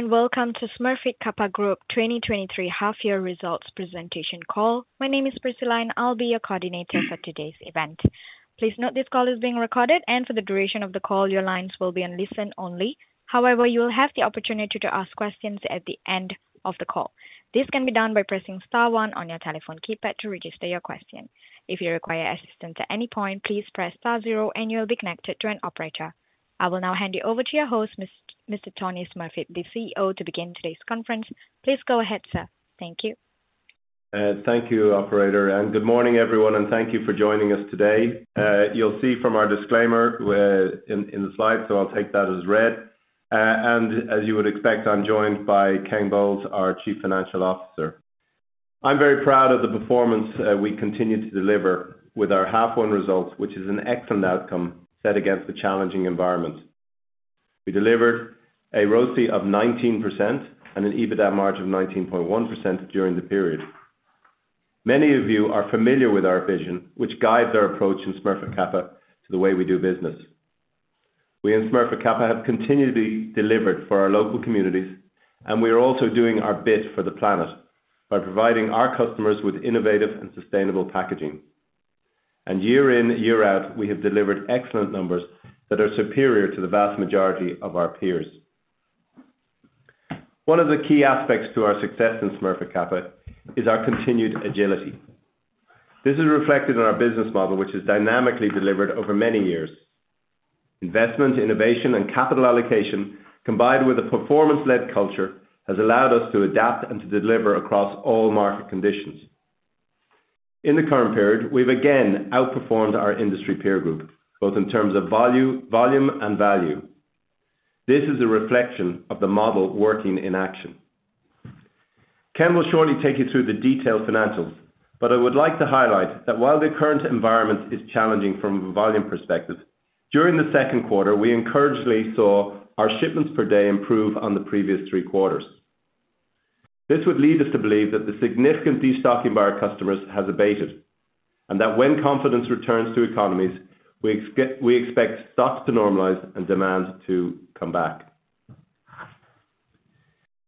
Good day, welcome to Smurfit Kappa Group 2023 half year results presentation call. My name is Priscilla, I'll be your coordinator for today's event. Please note, this call is being recorded, for the duration of the call, your lines will be on listen-only. However, you will have the opportunity to ask questions at the end of the call. This can be done by pressing star one on your telephone keypad to register your question. If you require assistance at any point, please press Star Zero, you'll be connected to an operator. I will now hand you over to your host, Mr. Tony Smurfit, the CEO, to begin today's conference. Please go ahead, sir. Thank you. Thank you, operator, good morning everyone, and thank you for joining us today. You'll see from our disclaimer in the slide, I'll take that as read. As you would expect, I'm joined by Ken Bowles, our Chief Financial Officer. I'm very proud of the performance we continue to deliver with our half one results, which is an excellent outcome set against the challenging environment. We delivered a ROCE of 19% and an EBITDA margin of 19.1% during the period. Many of you are familiar with our vision, which guides our approach in Smurfit Kappa to the way we do business. We in Smurfit Kappa have continued to be delivered for our local communities, we are also doing our bit for the planet by providing our customers with innovative and sustainable packaging. Year in, year out, we have delivered excellent numbers that are superior to the vast majority of our peers. One of the key aspects to our success in Smurfit Kappa is our continued agility. This is reflected in our business model, which is dynamically delivered over many years. Investment, innovation, and capital allocation, combined with a performance-led culture, has allowed us to adapt and to deliver across all market conditions. In the current period, we've again outperformed our industry peer group, both in terms of volume, volume and value. This is a reflection of the model working in action. Ken will shortly take you through the detailed financials, but I would like to highlight that while the current environment is challenging from a volume perspective, during the second quarter, we encouragedly saw our shipments per day improve on the previous three quarters. This would lead us to believe that the significant destocking by our customers has abated, and that when confidence returns to economies, we expect stocks to normalize and demand to come back.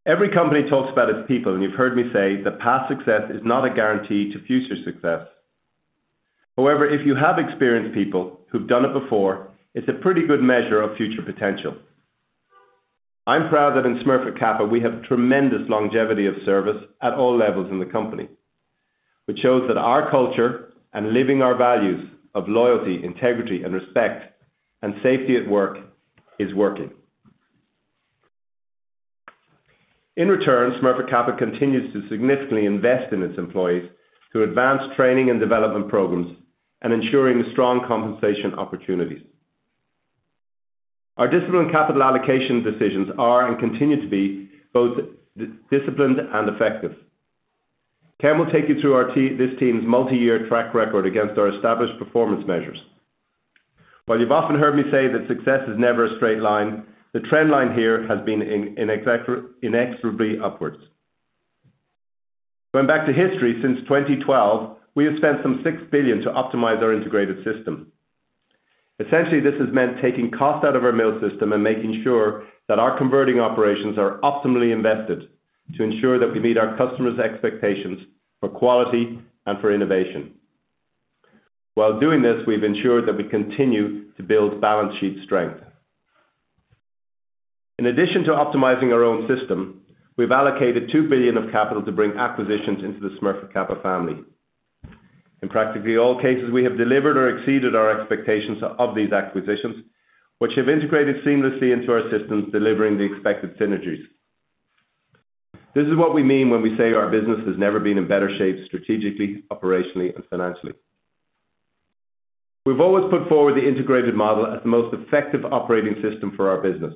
Every company talks about its people. You've heard me say that past success is not a guarantee to future success. However, if you have experienced people who've done it before, it's a pretty good measure of future potential. I'm proud that in Smurfit Kappa, we have tremendous longevity of service at all levels in the company, which shows that our culture and living our values of loyalty, integrity, and respect, and safety at work is working. In return, Smurfit Kappa continues to significantly invest in its employees through advanced training and development programs and ensuring strong compensation opportunities. Our disciplined capital allocation decisions are and continue to be both disciplined and effective. Ken will take you through this team's multi-year track record against our established performance measures. While you've often heard me say that success is never a straight line, the trend line here has been inexorably upwards. Going back to history, since 2012, we have spent some 6 billion to optimize our integrated system. Essentially, this has meant taking cost out of our mill system and making sure that our converting operations are optimally invested, to ensure that we meet our customers' expectations for quality and for innovation. While doing this, we've ensured that we continue to build balance sheet strength. In addition to optimizing our own system, we've allocated 2 billion of capital to bring acquisitions into the Smurfit Kappa family. In practically all cases, we have delivered or exceeded our expectations of these acquisitions, which have integrated seamlessly into our systems, delivering the expected synergies. This is what we mean when we say our business has never been in better shape strategically, operationally, and financially. We've always put forward the integrated model as the most effective operating system for our business.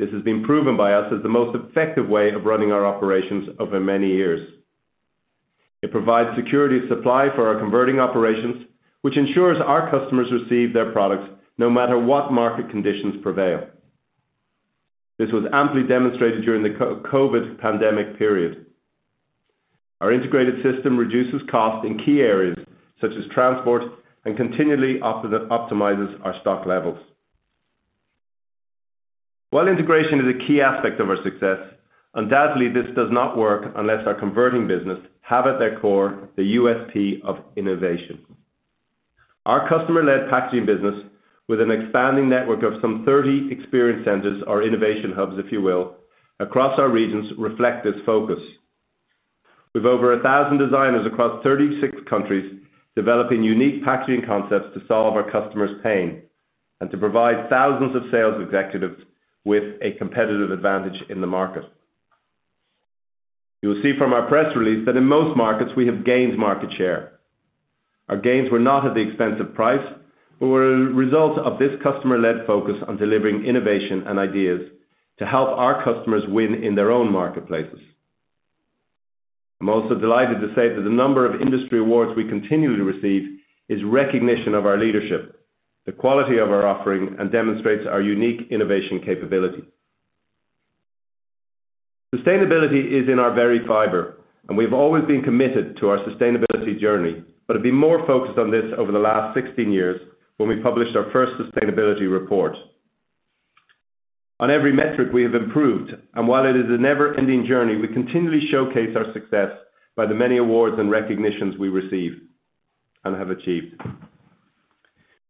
This has been proven by us as the most effective way of running our operations over many years. It provides security of supply for our converting operations, which ensures our customers receive their products no matter what market conditions prevail. This was amply demonstrated during the COVID pandemic period. Our integrated system reduces cost in key areas such as transport and continually optimizes our stock levels. While integration is a key aspect of our success, undoubtedly, this does not work unless our converting business have, at their core, the USP of innovation. Our customer-led packaging business, with an expanding network of some 30 experience centers or innovation hubs, if you will, across our regions, reflect this focus. With over 1,000 designers across 36 countries, developing unique packaging concepts to solve our customers' pain and to provide thousands of sales executives with a competitive advantage in the market. You will see from our press release that in most markets, we have gained market share. Our gains were not at the expense of price, but were a result of this customer-led focus on delivering innovation and ideas to help our customers win in their own marketplaces. I'm also delighted to say that the number of industry awards we continue to receive is recognition of our leadership, the quality of our offering, and demonstrates our unique innovation capability. Sustainability is in our very fiber, and we've always been committed to our sustainability journey, but have been more focused on this over the last 16 years, when we published our first sustainability report. On every metric, we have improved, and while it is a never-ending journey, we continually showcase our success by the many awards and recognitions we receive and have achieved.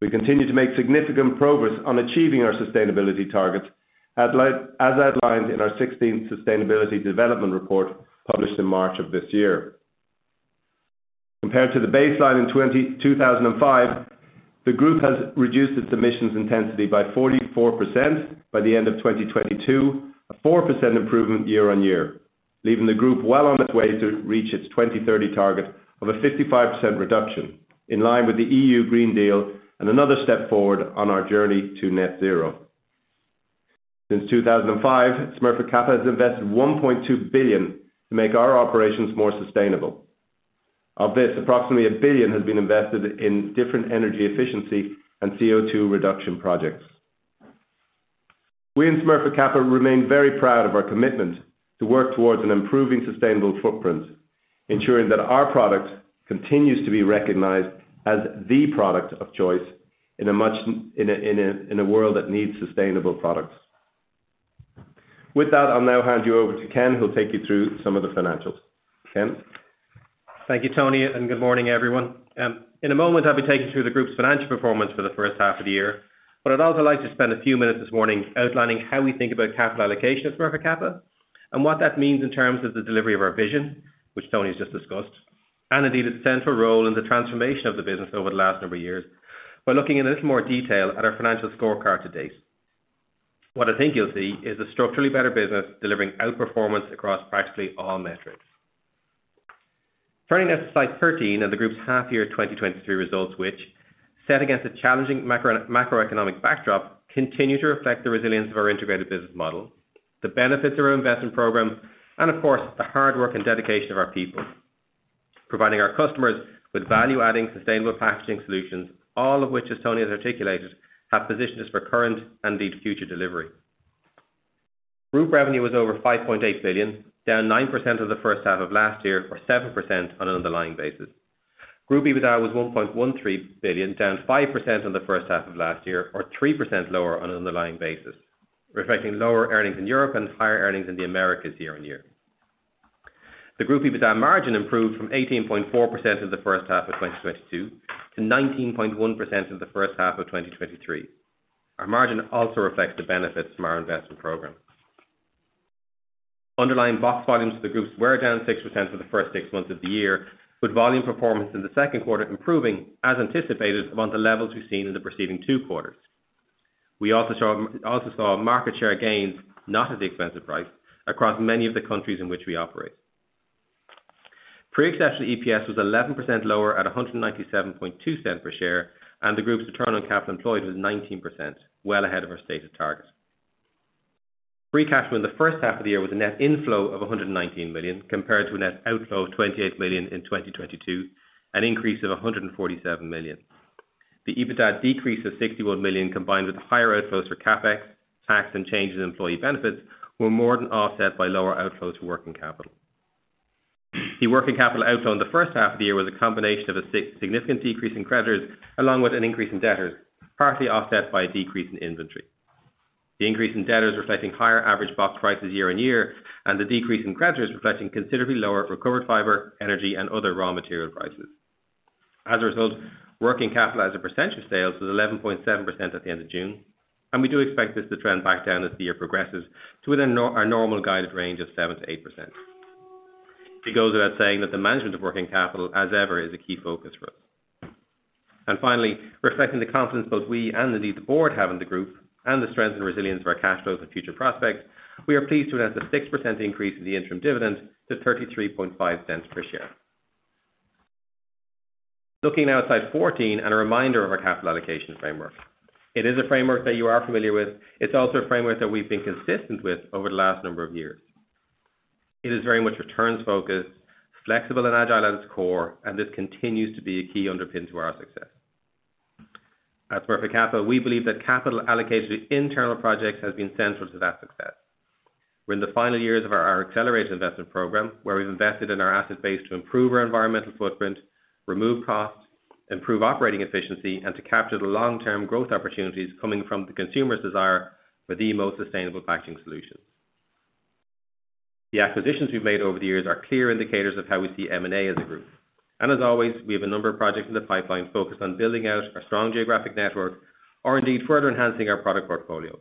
We continue to make significant progress on achieving our sustainability targets, as outlined in our 16th Sustainable Development Report, published in March of this year. Compared to the baseline in 2005, the group has reduced its emissions intensity by 44% by the end of 2022, a 4% improvement year-on-year, leaving the group well on its way to reach its 2030 target of a 55% reduction, in line with the European Green Deal and another step forward on our journey to net zero. Since 2005, Smurfit Kappa has invested $1.2 billion to make our operations more sustainable. Of this, approximately $1 billion has been invested in different energy efficiency and CO2 reduction projects. We in Smurfit Kappa remain very proud of our commitment to work towards an improving sustainable footprint, ensuring that our products continues to be recognized as the product of choice in a world that needs sustainable products. With that, I'll now hand you over to Ken, who'll take you through some of the financials. Ken? Thank you, Tony, and good morning, everyone. In a moment, I'll be taking you through the group's financial performance for the first half of the year. I'd also like to spend a few minutes this morning outlining how we think about capital allocation at Smurfit Kappa, and what that means in terms of the delivery of our vision, which Tony has just discussed, and indeed, a central role in the transformation of the business over the last number of years, by looking in a little more detail at our financial scorecard to date. What I think you'll see is a structurally better business, delivering outperformance across practically all metrics. Turning to slide 13 and the group's half year 2023 results, which, set against a challenging macroeconomic backdrop, continue to reflect the resilience of our integrated business model, the benefits of our investment program, and of course, the hard work and dedication of our people, providing our customers with value-adding, sustainable packaging solutions, all of which, as Tony has articulated, have positioned us for current and indeed future delivery. Group revenue was over $5.8 billion, down 9% of the first half of last year, or 7% on an underlying basis. Group EBITDA was $1.13 billion, down 5% on the first half of last year or 3% lower on an underlying basis, reflecting lower earnings in Europe and higher earnings in the Americas year-on-year. The group EBITDA margin improved from 18.4% of the first half of 2022, to 19.1% of the first half of 2023. Our margin also reflects the benefits from our investment program. Underlying box volumes for the group were down 6% for the first six months of the year, with volume performance in the second quarter improving, as anticipated, among the levels we've seen in the preceding two quarters. We also saw market share gains, not at the expense of price, across many of the countries in which we operate. Pre-exceptional EPS was 11% lower at 1.972 per share, and the group's return on Capital Employed was 19%, well ahead of our stated target. Free cash from the first half of the year was a net inflow of 119 million, compared to a net outflow of 28 million in 2022, an increase of 147 million. The EBITDA decrease of 61 million, combined with higher outflows for CapEx, tax, and changes in employee benefits, were more than offset by lower outflows for working capital. The working capital outflow in the first half of the year was a combination of a significant decrease in creditors, along with an increase in debtors, partly offset by a decrease in inventory. The increase in debtors reflecting higher average box prices year-on-year, and the decrease in creditors reflecting considerably lower recovered fiber, energy, and other raw material prices. As a result, working capital as a percentage of sales was 11.7% at the end of June. We do expect this to trend back down as the year progresses to within our normal guided range of 7%-8%. It goes without saying, that the management of working capital, as ever, is a key focus for us. Finally, reflecting the confidence both we and indeed the board have in the group, and the strength and resilience of our cash flows and future prospects, we are pleased to announce a 6% increase in the interim dividend to 0.335 per share. Looking now at slide 14, a reminder of our capital allocation framework. It is a framework that you are familiar with. It's also a framework that we've been consistent with over the last number of years. It is very much returns-focused, flexible and agile at its core, and this continues to be a key underpin to our success. At Smurfit Kappa, we believe that capital allocated to internal projects has been central to that success. We're in the final years of our accelerated investment program, where we've invested in our asset base to improve our environmental footprint, remove costs, improve operating efficiency, and to capture the long-term growth opportunities coming from the consumer's desire for the most sustainable packaging solutions. The acquisitions we've made over the years are clear indicators of how we see M&A as a group. As always, we have a number of projects in the pipeline focused on building out our strong geographic network, or indeed, further enhancing our product portfolio.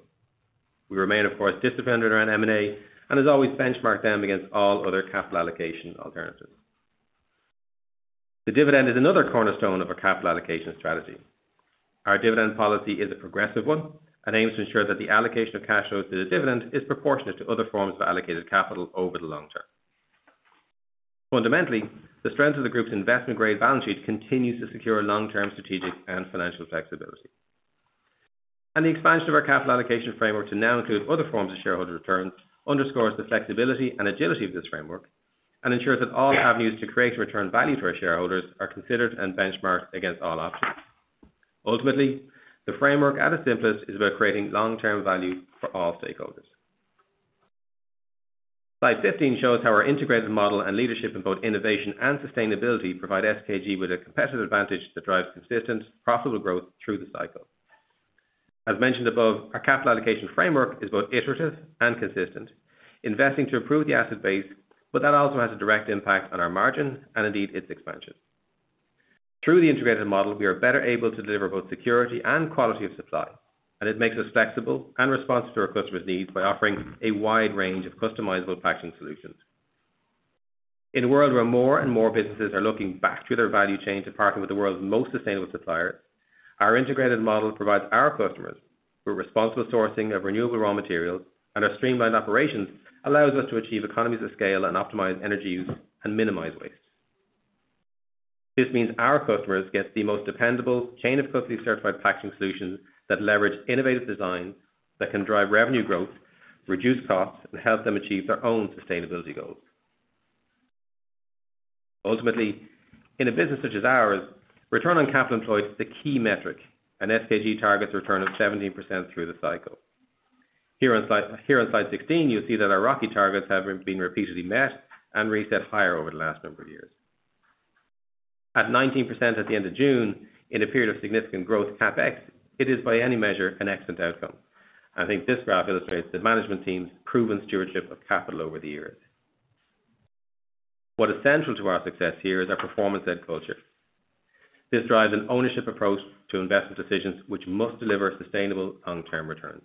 We remain, of course, disciplined around M&A, and as always, benchmark them against all other capital allocation alternatives. The dividend is another cornerstone of our capital allocation strategy. Our dividend policy is a progressive one and aims to ensure that the allocation of cash flows to the dividend is proportionate to other forms of allocated capital over the long term. Fundamentally, the strength of the group's investment-grade balance sheet continues to secure long-term strategic and financial flexibility. The expansion of our capital allocation framework to now include other forms of shareholder returns, underscores the flexibility and agility of this framework and ensures that all avenues to create and return value for our shareholders are considered and benchmarked against all options. Ultimately, the framework at its simplest, is about creating long-term value for all stakeholders. Slide 15 shows how our integrated model and leadership in both innovation and sustainability provide SKG with a competitive advantage that drives consistent, profitable growth through the cycle. As mentioned above, our capital allocation framework is both iterative and consistent, investing to improve the asset base, but that also has a direct impact on our margin and indeed, its expansion. Through the integrated model, we are better able to deliver both security and quality of supply, and it makes us flexible and responsive to our customers' needs by offering a wide range of customizable packaging solutions. In a world where more and more businesses are looking back through their value chain to partner with the world's most sustainable suppliers, our integrated model provides our customers with responsible sourcing of renewable raw materials, and our streamlined operations allows us to achieve economies of scale and optimize energy use and minimize waste. This means our customers get the most dependable chain of custody certified packaging solutions that leverage innovative designs that can drive revenue growth, reduce costs, and help them achieve their own sustainability goals. Ultimately, in a business such as ours, return on capital employed is the key metric, and SKG targets a return of 17% through the cycle. Here on slide 16, you'll see that our ROCE targets have been repeatedly met and reset higher over the last number of years. At 19% at the end of June, in a period of significant growth CapEx, it is by any measure, an excellent outcome. I think this graph illustrates the management team's proven stewardship of capital over the years. What is central to our success here is our performance-led culture. This drives an ownership approach to investment decisions, which must deliver sustainable long-term returns.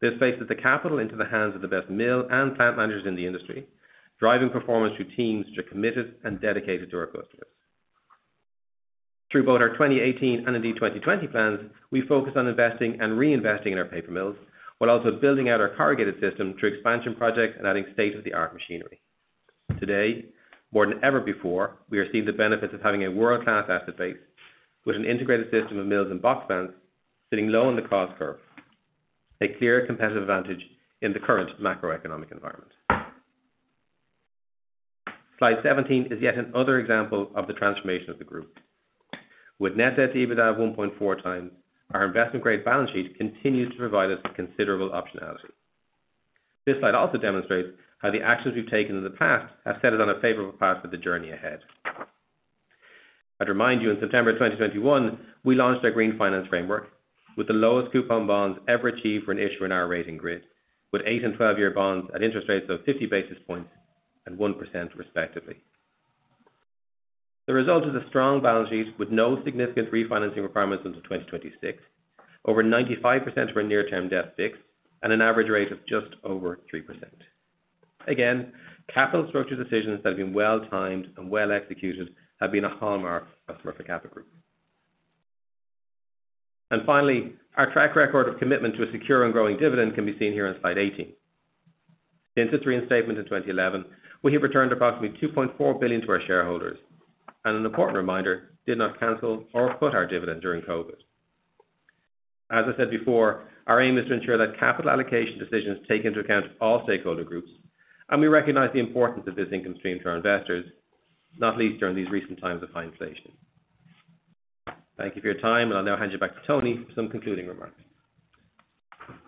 This places the capital into the hands of the best mill and plant managers in the industry, driving performance through teams which are committed and dedicated to our customers. Through both our 2018 and indeed, 2020 plans, we focused on investing and reinvesting in our paper mills, while also building out our corrugated system through expansion projects and adding state-of-the-art machinery. Today, more than ever before, we are seeing the benefits of having a world-class asset base with an integrated system of mills and box plants sitting low on the cost curve. A clear competitive advantage in the current macroeconomic environment. Slide 17 is yet another example of the transformation of the group. With net debt to EBITDA of 1.4x, our investment-grade balance sheet continues to provide us with considerable optionality. This slide also demonstrates how the actions we've taken in the past have set us on a favorable path for the journey ahead. I'd remind you, in September of 2021, we launched our Green Finance Framework with the lowest coupon bonds ever achieved for an issuer in our rating grid, with eight and 12-year bonds at interest rates of 50 basis points and 1% respectively. The result is a strong balance sheet with no significant refinancing requirements until 2026, over 95% of our near-term debt fixed, at an average rate of just over 3%. Again, capital structure decisions have been well-timed and well-executed, have been a hallmark of Smurfit Kappa Group. Finally, our track record of commitment to a secure and growing dividend can be seen here on slide 18. Since its reinstatement in 2011, we have returned approximately $2.4 billion to our shareholders, and an important reminder, did not cancel or cut our dividend during COVID. As I said before, our aim is to ensure that capital allocation decisions take into account all stakeholder groups, and we recognize the importance of this income stream to our investors, not least during these recent times of high inflation. Thank you for your time, and I'll now hand you back to Tony for some concluding remarks.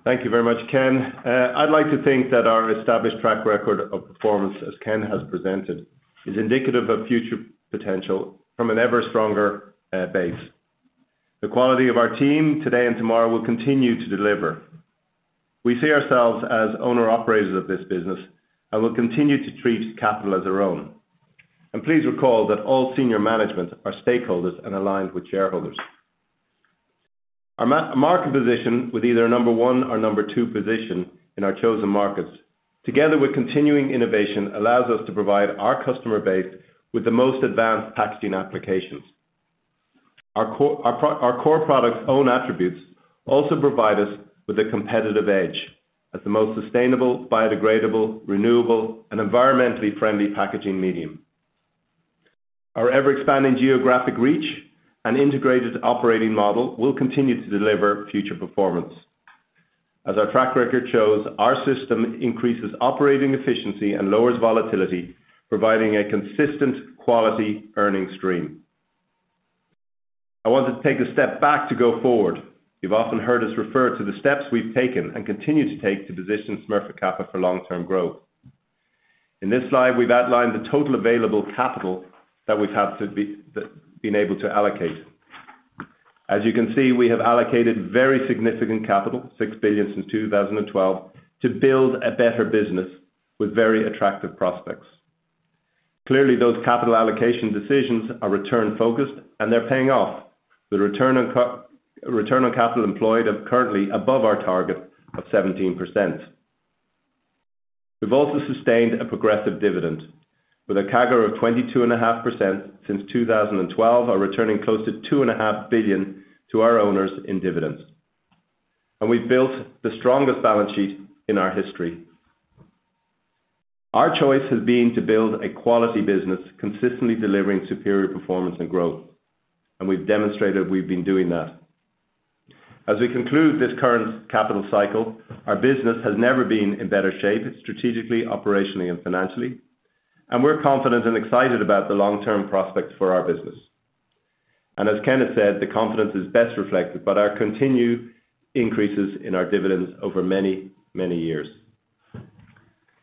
Thank you very much, Ken. I'd like to think that our established track record of performance, as Ken has presented, is indicative of future potential from an ever-stronger base. The quality of our team today and tomorrow will continue to deliver. We see ourselves as owner-operators of this business, and we'll continue to treat capital as our own. Please recall that all senior management are stakeholders and aligned with shareholders. Our market position, with either a number one or number two position in our chosen markets, together with continuing innovation, allows us to provide our customer base with the most advanced packaging applications. Our core, our core products' own attributes also provide us with a competitive edge as the most sustainable, biodegradable, renewable, and environmentally friendly packaging medium. Our ever-expanding geographic reach and integrated operating model will continue to deliver future performance. As our track record shows, our system increases operating efficiency and lowers volatility, providing a consistent quality earning stream. I wanted to take a step back to go forward. You've often heard us refer to the steps we've taken and continue to take to position Smurfit Kappa for long-term growth. In this slide, we've outlined the total available capital that we've had to be been able to allocate. As you can see, we have allocated very significant capital, 6 billion since 2012, to build a better business with very attractive prospects. Clearly, those capital allocation decisions are return-focused, and they're paying off. The return on capital employed are currently above our target of 17%. We've also sustained a progressive dividend with a CAGR of 22.5% since 2012, are returning close to 2.5 billion to our owners in dividends, and we've built the strongest balance sheet in our history. Our choice has been to build a quality business, consistently delivering superior performance and growth, and we've demonstrated we've been doing that. As we conclude this current capital cycle, our business has never been in better shape, strategically, operationally, and financially. We're confident and excited about the long-term prospects for our business. As Kenneth said, the confidence is best reflected by our continued increases in our dividends over many, many years.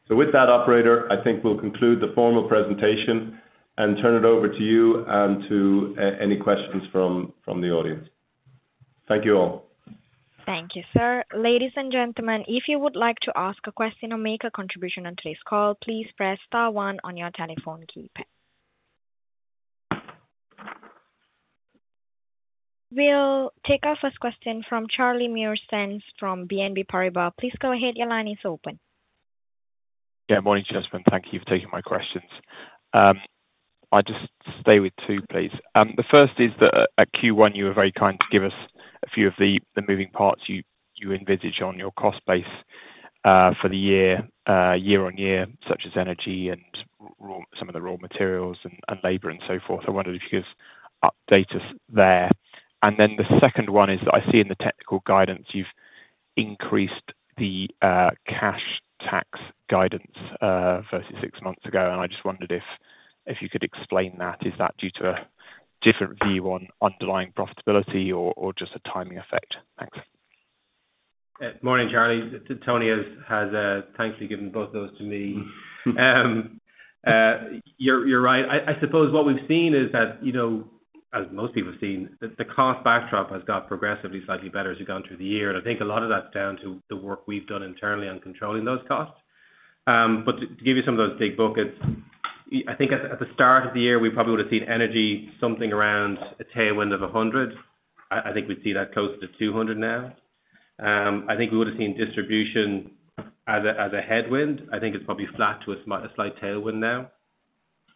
With that, operator, I think we'll conclude the formal presentation and turn it over to you, and to any questions from the audience. Thank you, all. Thank you, sir. Ladies and gentlemen, if you would like to ask a question or make a contribution on today's call, please press Star One on your telephone keypad. We'll take our first question from Charlie Muir-Sands from BNP Paribas. Please go ahead. Your line is open. Yeah, Morning, gentlemen. Thank you for taking my questions. I'll just stay with two, please. The first is that at Q1, you were very kind to give us a few of the moving parts you envisage on your cost base for the year, year-on-year, such as energy and some of the raw materials and labor and so forth. I wondered if you could just update us there. Then the second one is that I see in the technical guidance, you've increased the cash tax guidance versus six months ago, and I just wondered if you could explain that? Is that due to a different view on underlying profitability or just a timing effect? Thanks. Morning, Charlie. Tony has, has, thankfully given both those to me. You're, you're right. I, I suppose what we've seen is that, you know, as most people have seen, the, the cost backdrop has got progressively slightly better as we've gone through the year. I think a lot of that's down to the work we've done internally on controlling those costs. To, to give you some of those big buckets, I think at the, at the start of the year, we probably would've seen energy, something around a tailwind of 100. I, I think we'd see that closer to 200 now. I think we would've seen distribution as a, as a headwind. I think it's probably flat to a slight tailwind now.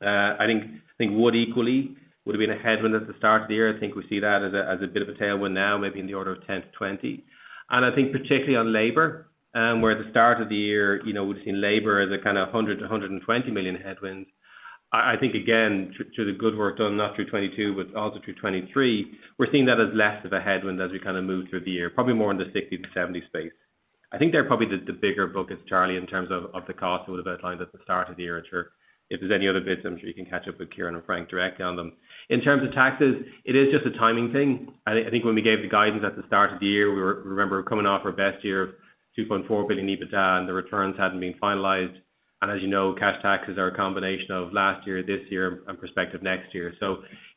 I think, I think wood equally would have been a headwind at the start of the year. I think we see that as a, as a bit of a tailwind now, maybe in the order of 10-20. I think particularly on labor, where at the start of the year, you know, we've seen labor as a kind of a $100 million-$120 million headwind. I think, again, to the good work done, not through 2022, but also through 2023, we're seeing that as less of a headwind as we kind of move through the year, probably more in the $60 million-$70 million space. I think they're probably the, the bigger buckets, Charlie, in terms of, of the cost we would've outlined at the start of the year. I'm sure if there's any other bits, I'm sure you can catch up with Kieran and Frank directly on them. In terms of taxes, it is just a timing thing. I think when we gave the guidance at the start of the year, remember, coming off our best year, 2.4 billion EBITDA, the returns hadn't been finalized. As you know, cash taxes are a combination of last year, this year, and prospective next year.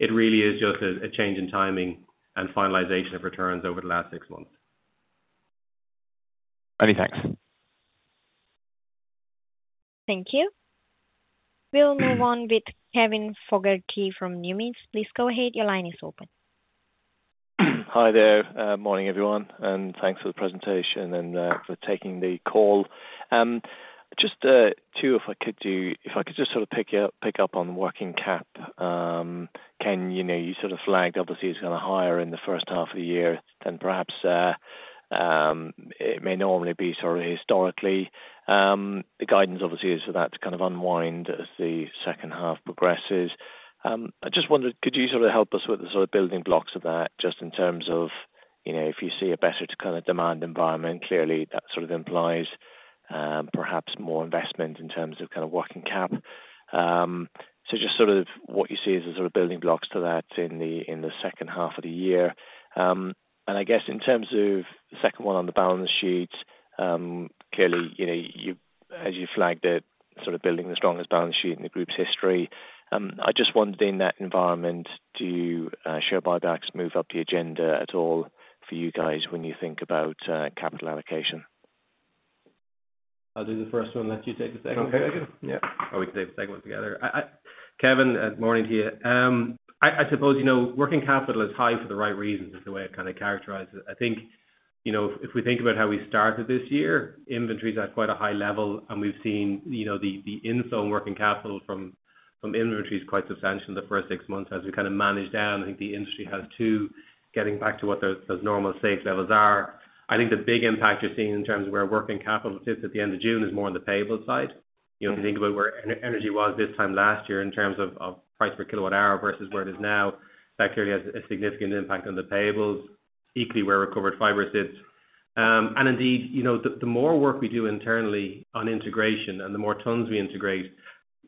It really is just a change in timing and finalization of returns over the last six months. Many thanks. Thank you. We'll move on with Kevin Fogarty from Numis. Please go ahead. Your line is open. Hi there. Morning, everyone, thanks for the presentation and for taking the call. Just two, if I could just sort of pick up on working cap. Ken, you know, you sort of flagged obviously it's kind of higher in the first half of the year than perhaps it may normally be, sort of historically. The guidance obviously is for that to kind of unwind as the second half progresses. I just wondered, could you sort of help us with the sort of building blocks of that, just in terms of, you know, if you see a better kind of demand environment, clearly that sort of implies perhaps more investment in terms of kind of working cap. Just sort of what you see as the sort of building blocks to that in the second half of the year. I guess in terms of the second one on the balance sheet, clearly, you know, you, as you flagged it, sort of building the strongest balance sheet in the group's history, I just wondered in that environment, do share buybacks move up the agenda at all for you guys when you think about capital allocation? I'll do the first one and let you take the second. Okay. Yeah, or we can take the second one together. Kevin, morning to you. I suppose, you know, working capital is high for the right reasons, is the way I kind of characterize it. I think, you know, if we think about how we started this year, inventories are at quite a high level, and we've seen, you know, the in-zone working capital from inventories quite substantial in the first six months. As we kind of manage down, I think the industry has to getting back to what those normal safe levels are. I think the big impact you're seeing in terms of where working capital sits at the end of June, is more on the payable side. You know, if you think about where energy was this time last year in terms of, of price per kilowatt hour versus where it is now, that clearly has a significant impact on the payables, equally, where recovered fiber sits. Indeed, you know, the, the more work we do internally on integration and the more tons we integrate,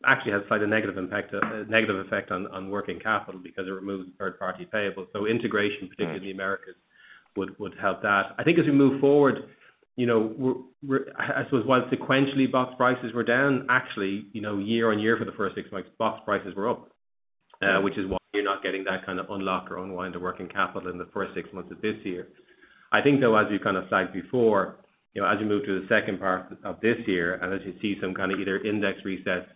actually has quite a negative impact, a negative effect on, on working capital because it removes third-party payables. Integration, particularly in the Americas, would, would help that. I think as we move forward, you know, we're, I suppose while sequentially box prices were down, actually, you know, year-on-year for the first six months, box prices were up, which is why you're not getting that kind of unlock or unwind of working capital in the first six months of this year. I think, though, as we kind of flagged before, you know, as you move to the second part of this year, as you see some kind of either index resets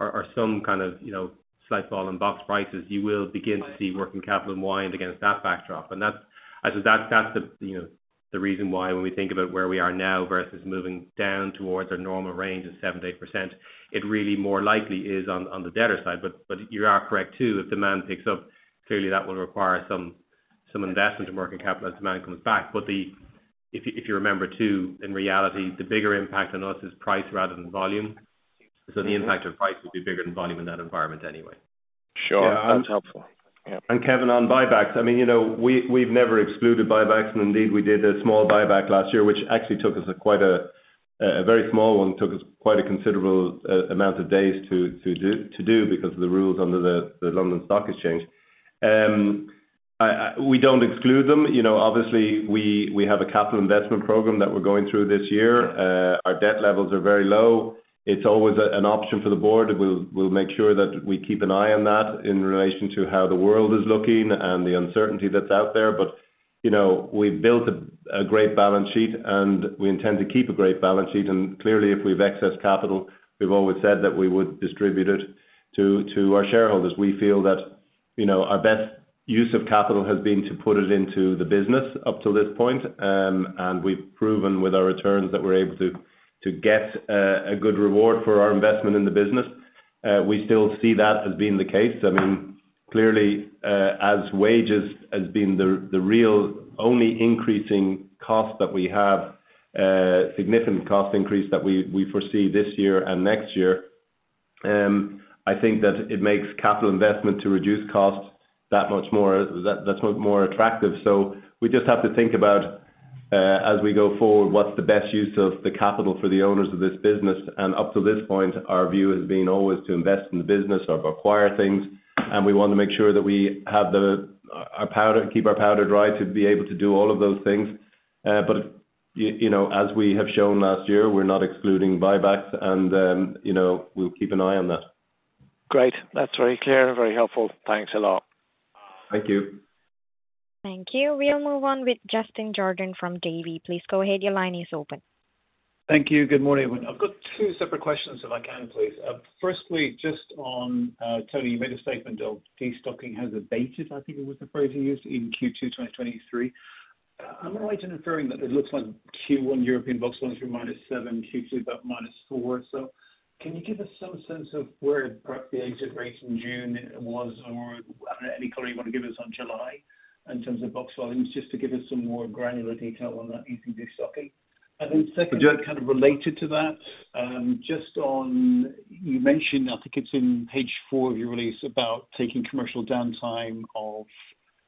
or, or some kind of, you know, slight fall in box prices, you will begin to see working capital unwind against that backdrop. That's, I think, that's, that's the, you know, the reason why when we think about where we are now versus moving down towards our normal range of 7%-8%, it really more likely is on, on the debtor side. You are correct, too. If demand picks up, clearly that will require some, some investment in working capital as demand comes back. If you, if you remember, too, in reality, the bigger impact on us is price rather than volume. The impact on price will be bigger than volume in that environment anyway. Sure, that's helpful. Yeah. Kevin, on buybacks, I mean we, we've never excluded buybacks, and indeed, we did a small buyback last year, which actually took us quite a, a very small one, took us quite a considerable amount of days to do, to do because of the rules under the London Stock Exchange. We don't exclude them. You know, obviously, we have a capital investment program that we're going through this year. Our debt levels are very low. It's always a, an option for the board. We'll, we'll make sure that we keep an eye on that in relation to how the world is looking and the uncertainty that's out there. We've built a, a great balance sheet, and we intend to keep a great balance sheet. Clearly, if we've excess capital, we've always said that we would distribute it to, to our shareholders. We feel that, you know, our best use of capital has been to put it into the business up till this point. And we've proven with our returns that we're able to, to get a good reward for our investment in the business. We still see that as being the case. I mean, clearly, as wages has been the, the real only increasing cost that we have, significant cost increase that we, we foresee this year and next year, I think that it makes capital investment to reduce costs that much more, that, that much more attractive. We just have to think about, as we go forward, what's the best use of the capital for the owners of this business? Up to this point, our view has been always to invest in the business or acquire things, and we want to make sure that we have the, keep our powder dry, to be able to do all of those things. You know, as we have shown last year, we're not excluding buybacks, and, you know, we'll keep an eye on that. Great. That's very clear, very helpful. Thanks a lot. Thank you. Thank you. We'll move on with Justin Jordan from Davy. Please go ahead. Your line is open. Thank you. Good morning, everyone. I've got two separate questions, if I can, please. Firstly, just on Tony, you made a statement of destocking has abated, I think it was the phrase you used, in Q2 2023. I'm right in inferring that it looks like Q1 European box went through -7%, Q2 about -4%. Can you give us some sense of where perhaps the exit rate in June was, or, I don't know, any color you want to give us on July in terms of box volumes, just to give us some more granular detail on that ECB stocking? Second, kind of related to that, just on, you mentioned, I think it's in page four of your release, about taking commercial downtime of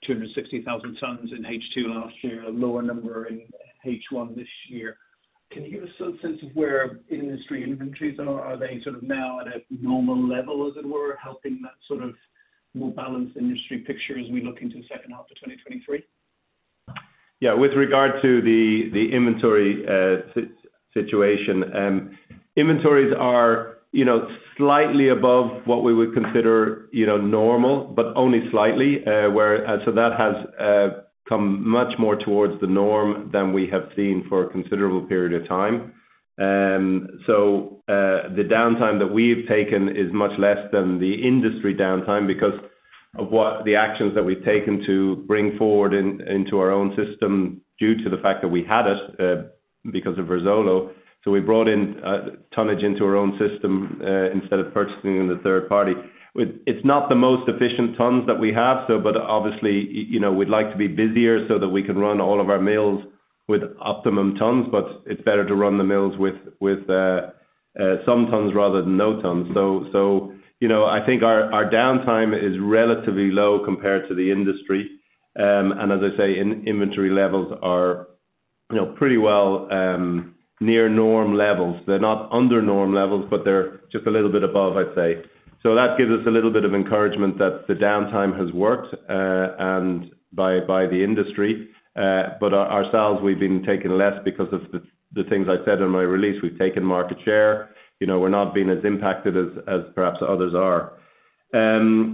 260,000 tons in H2 last year, a lower number in H1 this year. Can you give us some sense of where industry inventories are? Are they sort of now at a normal level, as it were, helping that sort of more balanced industry picture as we look into the second half of 2023? Yeah. With regard to the, the inventory, situation, inventories are, you know, slightly above what we would consider, you know, normal, but only slightly. Where, so that has come much more towards the norm than we have seen for a considerable period of time. The downtime that we've taken is much less than the industry downtime because of what the actions that we've taken to bring forward in, into our own system, due to the fact that we had it, because of Verzuolo. We brought in, tonnage into our own system, instead of purchasing in the third party. It's not the most efficient tons that we have, but obviously, you know, we'd like to be busier so that we can run all of our mills with optimum tons, but it's better to run the mills with, with some tons rather than no tons. I think our downtime is relatively low compared to the industry. As I say, in-inventory levels are, you know, pretty well near norm levels. They're not under norm levels, but they're just a little bit above, I'd say. That gives us a little bit of encouragement that the downtime has worked, and by the industry. But ourselves, we've been taking less because of the things I said in my release. We've taken market share. You know, we're not being as impacted as, as perhaps others are.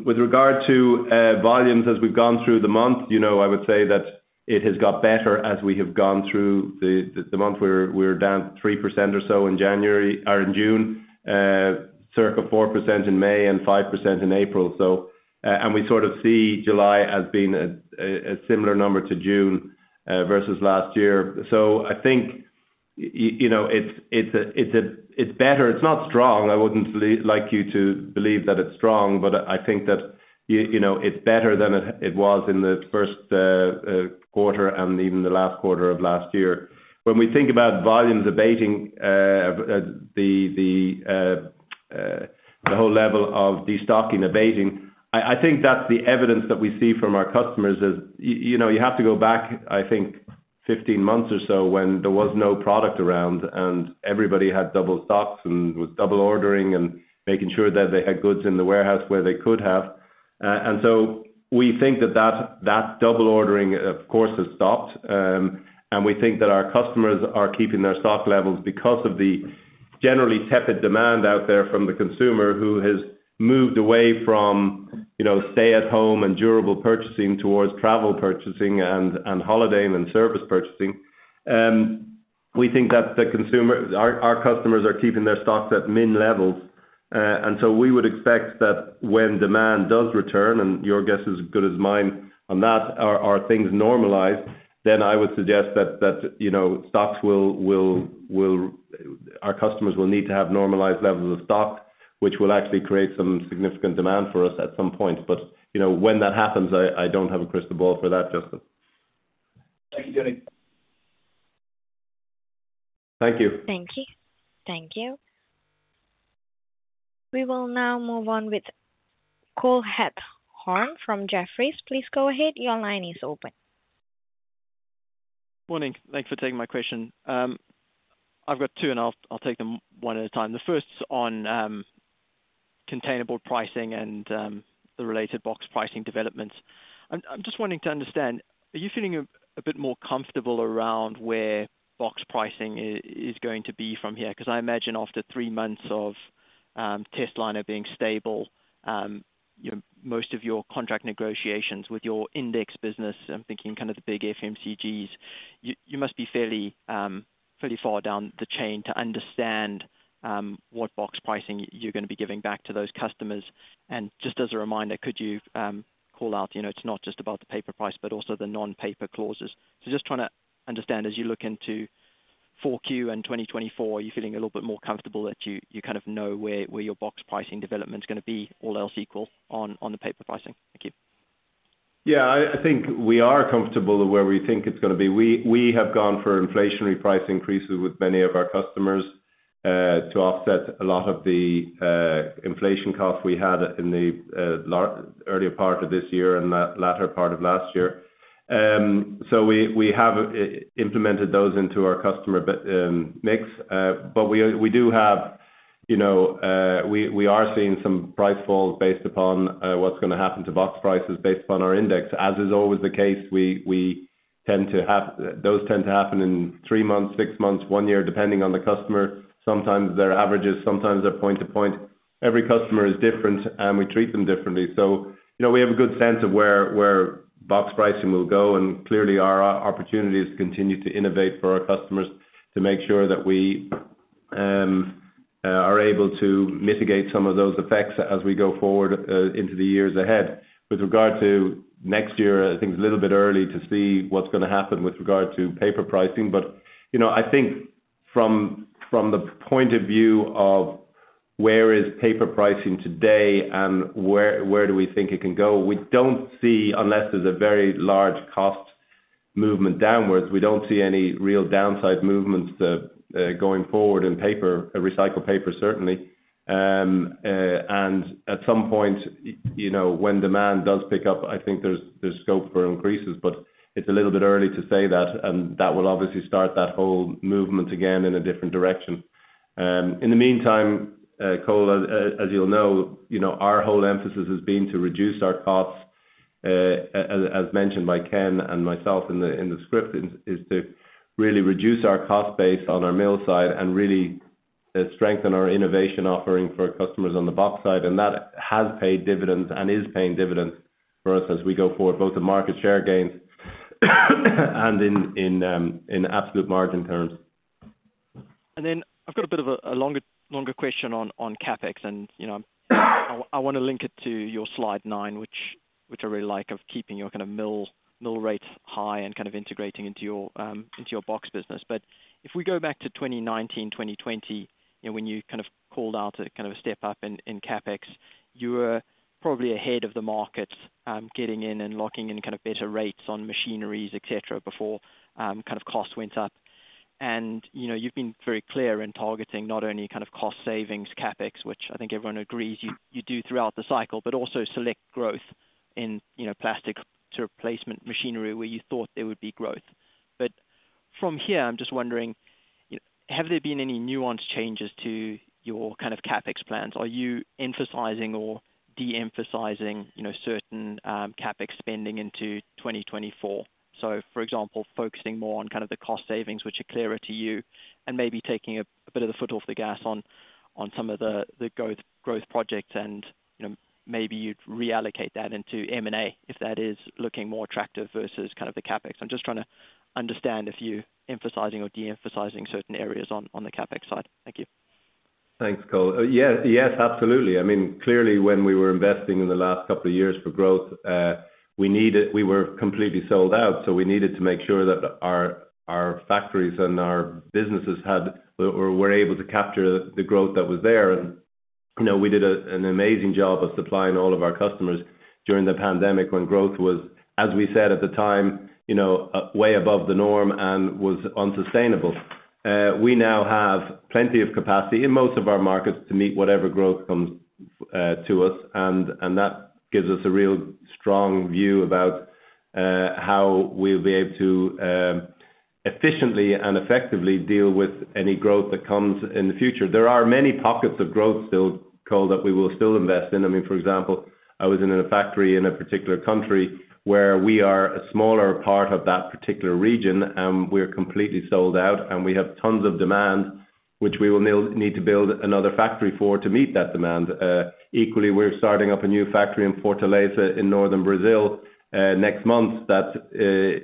With regard to volumes as we've gone through the month, you know, I would say that it has got better as we have gone through the month. We were down 3% or so in January, or in June, circa 4% in May, and 5% in April. And we sort of see July as being a similar number to June versus last year. I think you know, it's better, it's not strong. I wouldn't like you to believe that it's strong, but I think that you know, it's better than it was in the first quarter and even the last quarter of last year. When we think about volumes abating, the whole level of destocking abating, I, I think that's the evidence that we see from our customers is you know, you have to go back, I think, 15 months or so, when there was no product around and everybody had double stocks and was double ordering and making sure that they had goods in the warehouse where they could have. We think that, that, that double ordering, of course, has stopped. We think that our customers are keeping their stock levels because of the generally tepid demand out there from the consumer, who has moved away from, you know, stay-at-home and durable purchasing towards travel purchasing and, and holiday and service purchasing. We think that the consumer our customers are keeping their stocks at min levels, and so we would expect that when demand does return, Your guess is as good as mine on that, are things normalized? I would suggest that, you know, Our customers will need to have normalized levels of stock, which will actually create some significant demand for us at some point. You know, when that happens, I don't have a crystal ball for that, Justin. Thank you, Tony. Thank you. Thank you. Thank you. We will now move on with Cole Hathorn from Jefferies. Please go ahead. Your line is open. Morning. Thanks for taking my question. I've got two I'll take them one at a time. The first on containerboard pricing and the related box pricing developments. I'm just wanting to understand: are you feeling a, a bit more comfortable around where box pricing is, is going to be from here? 'Cause I imagine after three months of Testliner being stable, you know, most of your contract negotiations with your index business, I'm thinking kind of the big FMCGs, you, you must be fairly, fairly far down the chain to understand what box pricing you're gonna be giving back to those customers. Just as a reminder, could you call out, you know, it's not just about the paper price, but also the non-paper clauses. Just trying to understand, as you look into Q4 and 2024, are you feeling a little bit more comfortable that you, you kind of know where, where your box pricing development's gonna be, all else equal, on, on the paper pricing? Thank you. Yeah, I think we are comfortable with where we think it's gonna be. We, we have gone for inflationary price increases with many of our customers to offset a lot of the inflation costs we had in the earlier part of this year and latter part of last year. We, we have implemented those into our customer mix, but we, we do have, you know, we, we are seeing some price falls based upon what's gonna happen to box prices based upon our index. As is always the case, we, we tend to have... Those tend to happen in three months, six months, one year, depending on the customer. Sometimes they're averages, sometimes they're point to point. Every customer is different, and we treat them differently. You know, we have a good sense of where, where box pricing will go, and clearly, our opportunities continue to innovate for our customers to make sure that we are able to mitigate some of those effects as we go forward into the years ahead. With regard to next year, I think it's a little bit early to see what's gonna happen with regard to paper pricing. You know, I think from, from the point of view of where is paper pricing today and where, where do we think it can go? We don't see, unless there's a very large cost movement downwards, we don't see any real downside movements going forward in paper, recycled paper, certainly. At some point, you know, when demand does pick up, I think there's, there's scope for increases, but it's a little bit early to say that, and that will obviously start that whole movement again in a different direction. In the meantime, Cole, as you'll know, you know, our whole emphasis has been to reduce our costs, as mentioned by Ken and myself in the script, is to really reduce our cost base on our mill side and really strengthen our innovation offering for our customers on the box side, and that has paid dividends and is paying dividends for us as we go forward, both in market share gains and in absolute margin terms. Then I've got a bit of a, a longer, longer question on CapEx, and, you know, I, I wanna link it to your slide nine, which, which I really like, of keeping your kind of mill, mill rates high and kind of integrating into your box business. If we go back to 2019, 2020, and when you kind of called out a kind of a step up in CapEx, you were probably ahead of the markets, getting in and locking in kind of better rates on machineries, et cetera, before kind of costs went up. You know, you've been very clear in targeting not only kind of cost savings CapEx, which I think everyone agrees you, you do throughout the cycle, but also select growth in, you know, plastic sort of placement machinery where you thought there would be growth. But from here, I'm just wondering, have there been any nuanced changes to your kind of CapEx plans? Are you emphasizing or de-emphasizing, you know, certain, CapEx spending into 2024? So for example, focusing more on kind of the cost savings, which are clearer to you, and maybe taking a, a bit of the foot off the gas on, on some of the, the growth, growth projects and, you know, maybe you'd reallocate that into M&A if that is looking more attractive versus kind of the CapEx. I'm just trying to understand if you're emphasizing or de-emphasizing certain areas on, on the CapEx side. Thank you. Thanks, Cole. Yes, absolutely. I mean, clearly, when we were investing in the last couple of years for growth, we were completely sold out, so we needed to make sure that our, our factories and our businesses had, or were able to capture the growth that was there. You know, we did an amazing job of supplying all of our customers during the pandemic when growth was, as we said at the time, you know, way above the norm and was unsustainable. We now have plenty of capacity in most of our markets to meet whatever growth comes to us, and that gives us a real strong view about how we'll be able to efficiently and effectively deal with any growth that comes in the future. There are many pockets of growth still, Cole, that we will still invest in. I mean, for example, I was in a factory in a particular country where we are a smaller part of that particular region, and we're completely sold out, and we have tons of demand, which we will need to build another factory for, to meet that demand. Equally, we're starting up a new factory in Fortaleza, in northern Brazil, next month. That's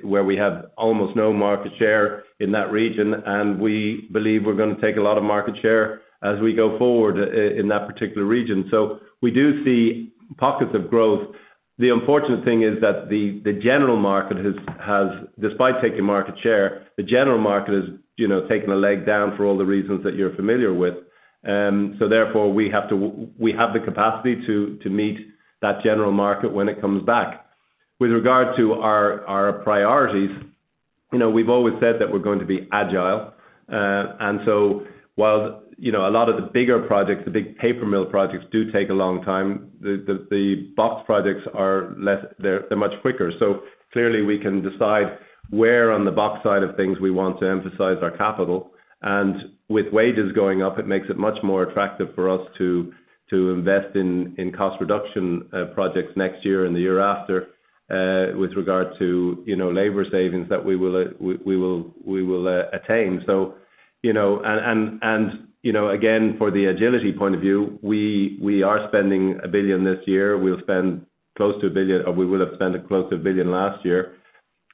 where we have almost no market share in that region, and we believe we're gonna take a lot of market share as we go forward in that particular region. We do see pockets of growth. The unfortunate thing is that the general market has, despite taking market share, the general market has, you know, taken a leg down for all the reasons that you're familiar with. Therefore, we have to we have the capacity to, to meet that general market when it comes back. With regard to our, our priorities. We've always said that we're going to be agile. So while, you know, a lot of the bigger projects, the big paper mill projects do take a long time, the, the, the box projects are less they're, they're much quicker. Clearly, we can decide where on the box side of things we want to emphasize our capital, and with wages going up, it makes it much more attractive for us to, to invest in, in cost reduction, projects next year and the year after. With regard to, you know, labor savings that we will, we will, we will attain. You know, again, for the agility point of view, we, we are spending $1 billion this year. We'll spend close to $1 billion, or we will have spent close to $1 billion last year.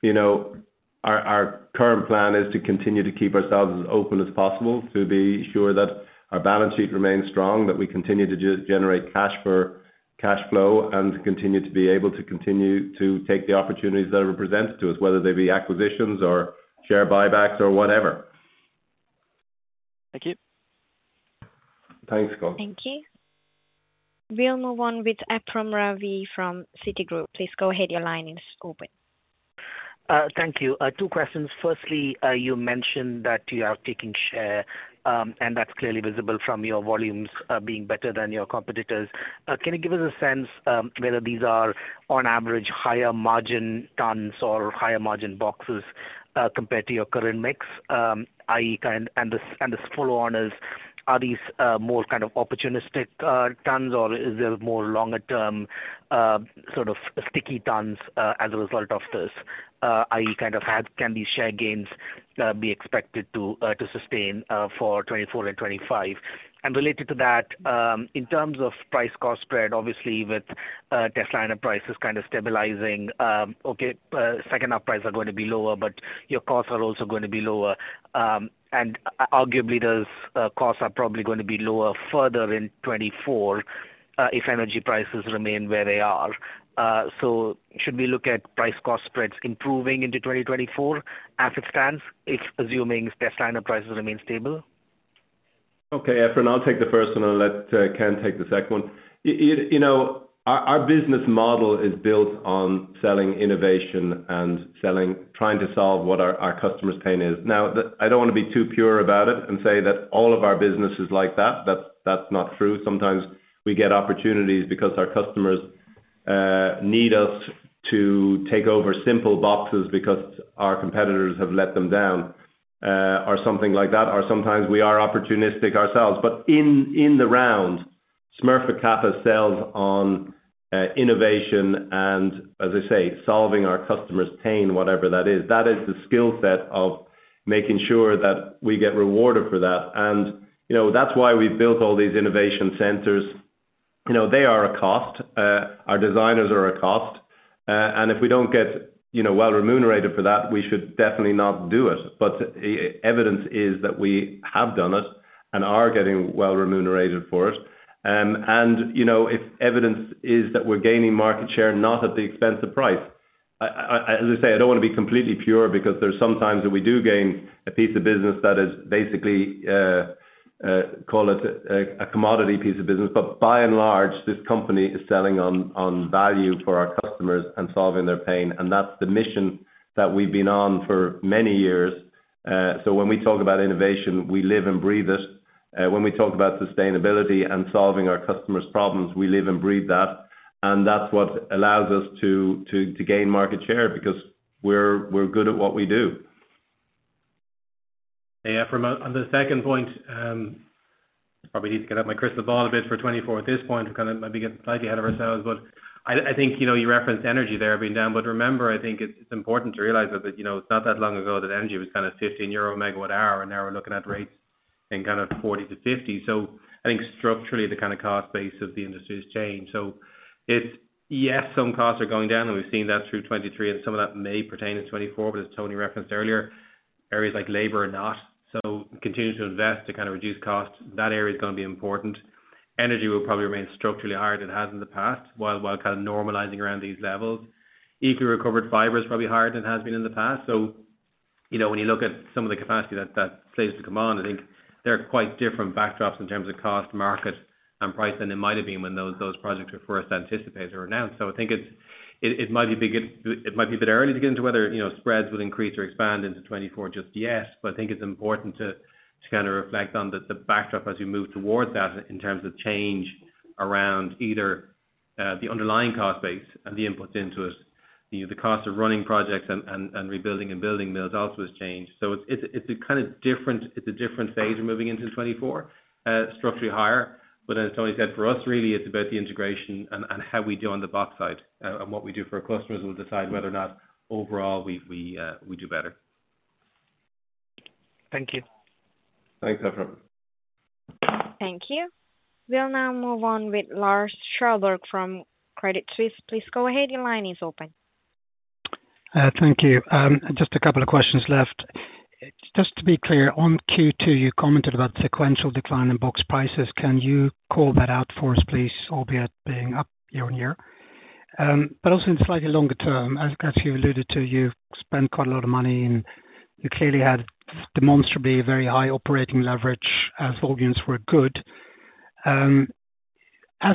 You know, our, our current plan is to continue to keep ourselves as open as possible, to be sure that our balance sheet remains strong, that we continue to generate cash for cash flow, and continue to be able to continue to take the opportunities that are presented to us, whether they be acquisitions or share buybacks or whatever. Thank you. Thanks, Cole. Thank you. We'll move on with Ephrem Ravi from Citigroup. Please go ahead. Your line is open. Thank you. Two questions. Firstly, you mentioned that you are taking share, and that's clearly visible from your volumes, being better than your competitors. Can you give us a sense whether these are on average, higher margin tons or higher margin boxes, compared to your current mix? I.e, kind, and this, and this follow on is, are these more kind of opportunistic tons, or is there more longer-term sort of sticky tons, as a result of this? I.e., kind of, how can these share gains be expected to sustain for 2024 and 2025? Related to that, in terms of price cost spread, obviously with Tesla and prices kind of stabilizing, okay, second half prices are going to be lower, but your costs are also going to be lower. Arguably, those costs are probably going to be lower further in 2024, if energy prices remain where they are. Should we look at price cost spreads improving into 2024 as it stands, if assuming Testliner prices remain stable? Okay, Ephrem, I'll take the first one, and let Ken take the second one. You know, our, our business model is built on selling innovation and selling trying to solve what our, our customers' pain is. Now, I don't want to be too pure about it and say that all of our business is like that. That's, that's not true. Sometimes we get opportunities because our customers need us to take over simple boxes because our competitors have let them down or something like that, or sometimes we are opportunistic ourselves. In, in the round, Smurfit Kappa sells on innovation and, as I say, solving our customers' pain, whatever that is. That is the skill set of making sure that we get rewarded for that. You know, that's why we've built all these innovation centers. You know, they are a cost. Our designers are a cost. If we don't get, you know, well remunerated for that, we should definitely not do it. Evidence is that we have done it and are getting well remunerated for it. If evidence is that we're gaining market share, not at the expense of price. As I say, I don't want to be completely pure, because there's some times that we do gain a piece of business that is basically, call it, a commodity piece of business. By and large, this company is selling on, on value for our customers and solving their pain, and that's the mission that we've been on for many years. When we talk about innovation, we live and breathe it. When we talk about sustainability and solving our customers' problems, we live and breathe that, and that's what allows us to, to, to gain market share, because we're, we're good at what we do. Hey, Ephrem, on the second point, probably need to get out my crystal ball a bit for 2024 at this point, and kind of maybe get slightly ahead of ourselves. I think, you know, you referenced energy there being down, but remember, I think it's important to realize that, that, you know, it's not that long ago that energy was kind of 15 euro megawatt hour, and now we're looking at rates in kind of 40-50. I think structurally, the kind of cost base of the industry has changed. It's yes, some costs are going down, and we've seen that through 2023, and some of that may pertain to 2024. As Tony referenced earlier, areas like labor are not. We continue to invest to kind of reduce costs. That area is going to be important. Energy will probably remain structurally higher than it has in the past, while, while kind of normalizing around these levels. Equally recovered fiber is probably higher than it has been in the past. You know, when you look at some of the capacity that, that slates to come on, I think there are quite different backdrops in terms of cost, market, and price than it might have been when those, those projects were first anticipated or announced. I think it's, it might be a bit early to get into whether, spreads will increase or expand into 2024 just yet. I think it's important to, to kind of reflect on the, the backdrop as we move towards that in terms of change around either, the underlying cost base and the inputs into it. You know, the cost of running projects and, and, and rebuilding and building mills also has changed. It's, it's, it's a kind of different, it's a different phase we're moving into 2024, structurally higher. As Tony said, for us, really, it's about the integration and, and how we do on the box side. What we do for our customers will decide whether or not overall we, we do better. Thank you. Thanks, Ephrem. Thank you. We'll now move on with Lars Kjellberg from Credit Suisse. Please go ahead. Your line is open. Thank you. Just a couple of questions left. Just to be clear, on Q2, you commented about sequential decline in box prices. Can you call that out for us, please, albeit being up year-over-year? Also in slightly longer term, as, as you alluded to, you've spent quite a lot of money, and you clearly had demonstrably a very high operating leverage as volumes were good. As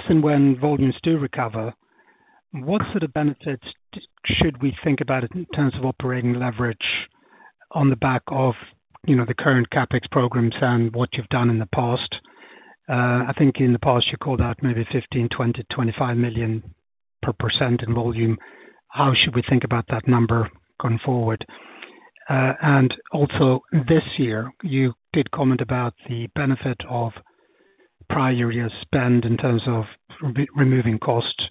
and when volumes do recover, what sort of benefits should we think about in terms of operating leverage on the back of, you know, the current CapEx programs and what you've done in the past? I think in the past you called out maybe 15 million-20 million-25 million per percent in volume. How should we think about that number going forward? Also, this year, you did comment about the benefit of prior year spend in terms of removing costs.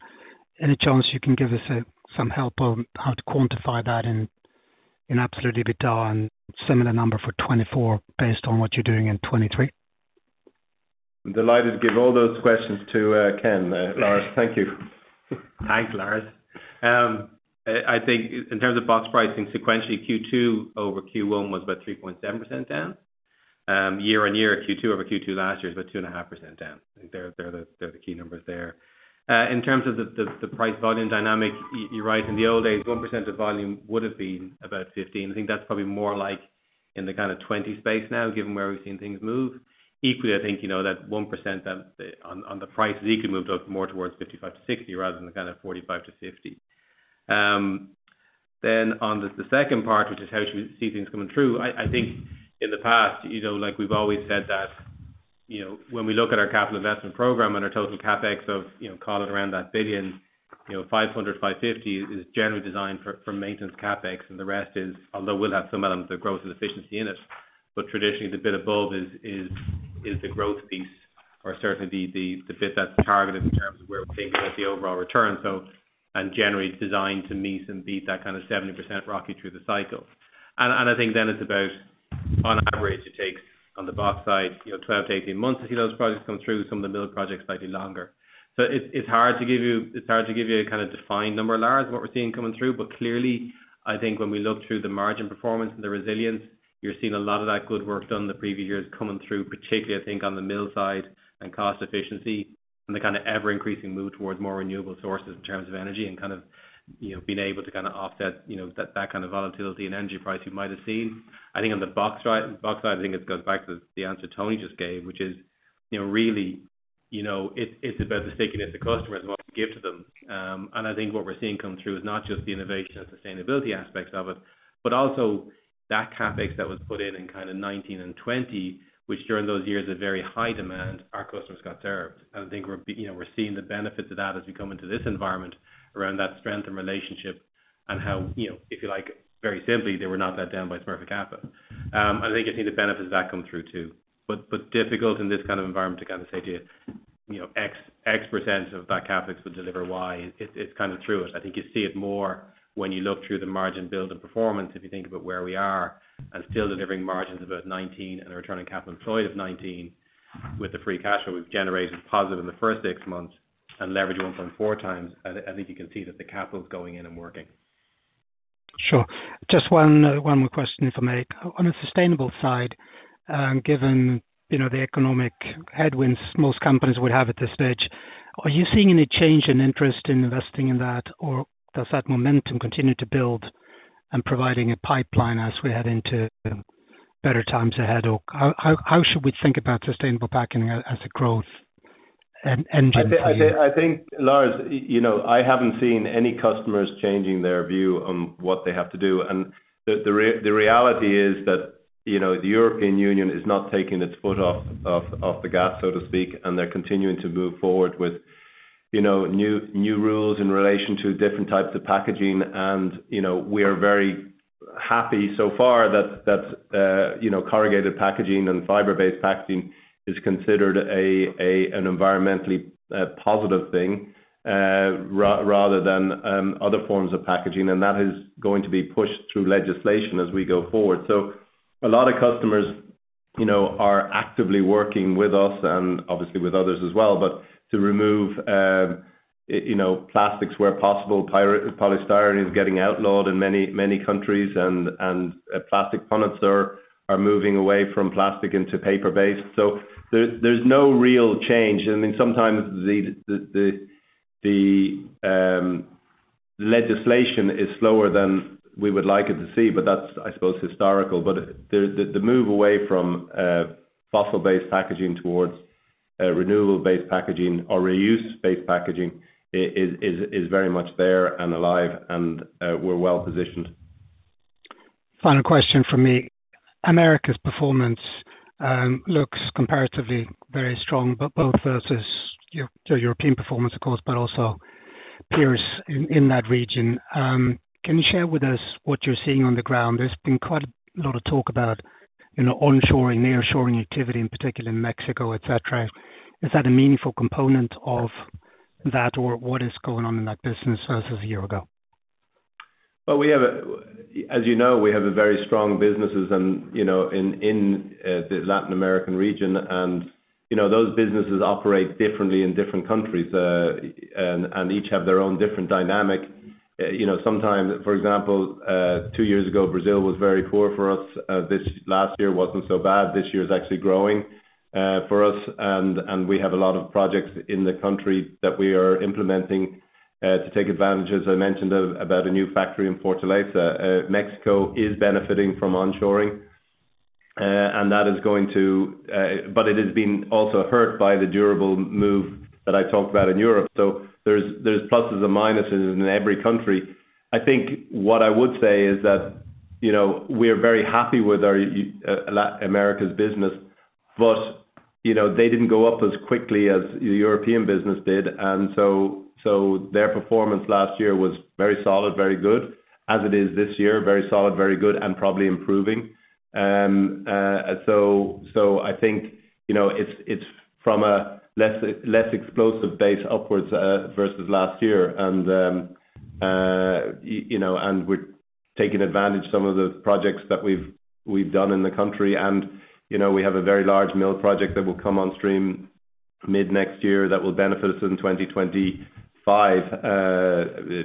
Any chance you can give us some help on how to quantify that in absolute EBITDA and similar number for 2024, based on what you're doing in 2023? Delighted to give all those questions to Ken. Lars, thank you. Thanks, Lars. I think in terms of box pricing, sequentially, Q2 over Q1 was about 3.7% down. Year-over-year, Q2 over Q2 last year is about 2.5% down. They're the key numbers there. In terms of the price volume dynamic, you're right, in the old days, 1% of volume would have been about 15. I think that's probably more like in the kind of 20 space now, given where we've seen things move. Equally, I think, you know, that 1% on the price equally moved up more towards 55-60, rather than the kind of 45-50. On the second part, which is how should we see things coming through? I think in the past, you know, like we've always said that, you know, when we look at our capital investment program and our total CapEx of, you know, call it around that one billion, you know, 500, 550 is generally designed for, for maintenance CapEx. The rest is. Although we'll have some elements of growth and efficiency in it, traditionally, the bit above is the growth piece, or certainly the bit that's targeted in terms of where we're thinking about the overall return. Generally it's designed to meet and beat that kind of 70% ROCE through the cycle. I think then it's about on average, it takes on the box side, you know, 12-18 months to see those projects come through. Some of the middle projects might be longer. It's hard to give you a kind of defined number, Lars, what we're seeing coming through. Clearly, I think when we look through the margin performance and the resilience, you're seeing a lot of that good work done in the previous years coming through, particularly, I think, on the mill side and cost efficiency, and the kind of ever-increasing move towards more renewable sources in terms of energy and kind of, you know, being able to offset, you know, that, that kind of volatility in energy price you might have seen. I think on the box side, box side, I think it goes back to the answer Tony just gave, which is, you know, really, you know, it's, it's about the stickiness of customers and what we give to them. I think what we're seeing come through is not just the innovation and sustainability aspects of it, but also that CapEx that was put in, in kind of 19 and 20, which during those years of very high demand, our customers got served. I think we're you know, we're seeing the benefits of that as we come into this environment, around that strength and relationship and how, you know, if you like, very simply, they were not let down by Smurfit Kappa. I think you'll see the benefits of that come through, too. Difficult in this kind of environment to kind of say to, you know X% of that CapEx will deliver Y. It's kind of through it. I think you see it more when you look through the margin build and performance, if you think about where we are, and still delivering margins about 19% and a return on capital employed of 19%, with the free cash flow we've generated positive in the first six months and leverage 1.4x. I think you can see that the capital is going in and working. Sure. Just one, one more question for me. On a sustainable side, given, you know, the economic headwinds most companies would have at this stage, are you seeing any change in interest in investing in that? Does that momentum continue to build and providing a pipeline as we head into better times ahead? How, how, how should we think about sustainable packaging as a growth, engine for you? I think, I think, Lars, you know, I haven't seen any customers changing their view on what they have to do, and the reality is that, you know, the European Union is not taking its foot off, off, off the gas, so to speak, and they're continuing to move forward with, you know, new, new rules in relation to different types of packaging. You know, we are very happy so far that, that, you know, corrugated packaging and fiber-based packaging is considered an environmentally positive thing, rather than other forms of packaging. That is going to be pushed through legislation as we go forward. A lot of customers, you know, are actively working with us and obviously with others as well, but to remove, you know, plastics where possible. Polystyrene is getting outlawed in many countries and, and, plastic products are, are moving away from plastic into paper-based. There's no real change. I mean, sometimes the, the, the, the, legislation is slower than we would like it to see, but that's, I suppose, historical. The move away from fossil-based packaging towards renewable-based packaging or reused-based packaging is very much there and alive and, we're well positioned. Final question from me. Americas' performance looks comparatively very strong, but both versus your, the European performance, of course, but also peers in that region. Can you share with us what you're seeing on the ground? There's been quite a lot of talk about, you know, onshoring, nearshoring activity, in particular in Mexico, et cetera. Is that a meaningful component of that, or what is going on in that business versus a year ago? Well, we have a As you know, we have a very strong businesses and, you know, in, in, the Latin American region. You know, those businesses operate differently in different countries, and, and each have their own different dynamic. You know, sometimes, for example, two years ago, Brazil was very poor for us. This last year wasn't so bad. This year is actually growing, for us, and, and we have a lot of projects in the country that we are implementing, to take advantage, as I mentioned, about a new factory in Portela. Mexico is benefiting from onshoring. That is going to, but it has been also hurt by the durable move that I talked about in Europe. There's, there's pluses and minuses in every country. I think what I would say is that, you know, we're very happy with our Americas business. You know, they didn't go up as quickly as the European business did, so their performance last year was very solid, very good, as it is this year, very solid, very good, and probably improving. So I think, you know, it's, it's from a less, less explosive base upwards versus last year. You know, we're taking advantage some of the projects that we've, we've done in the country. You know, we have a very large mill project that will come on stream mid-next year that will benefit us in 2025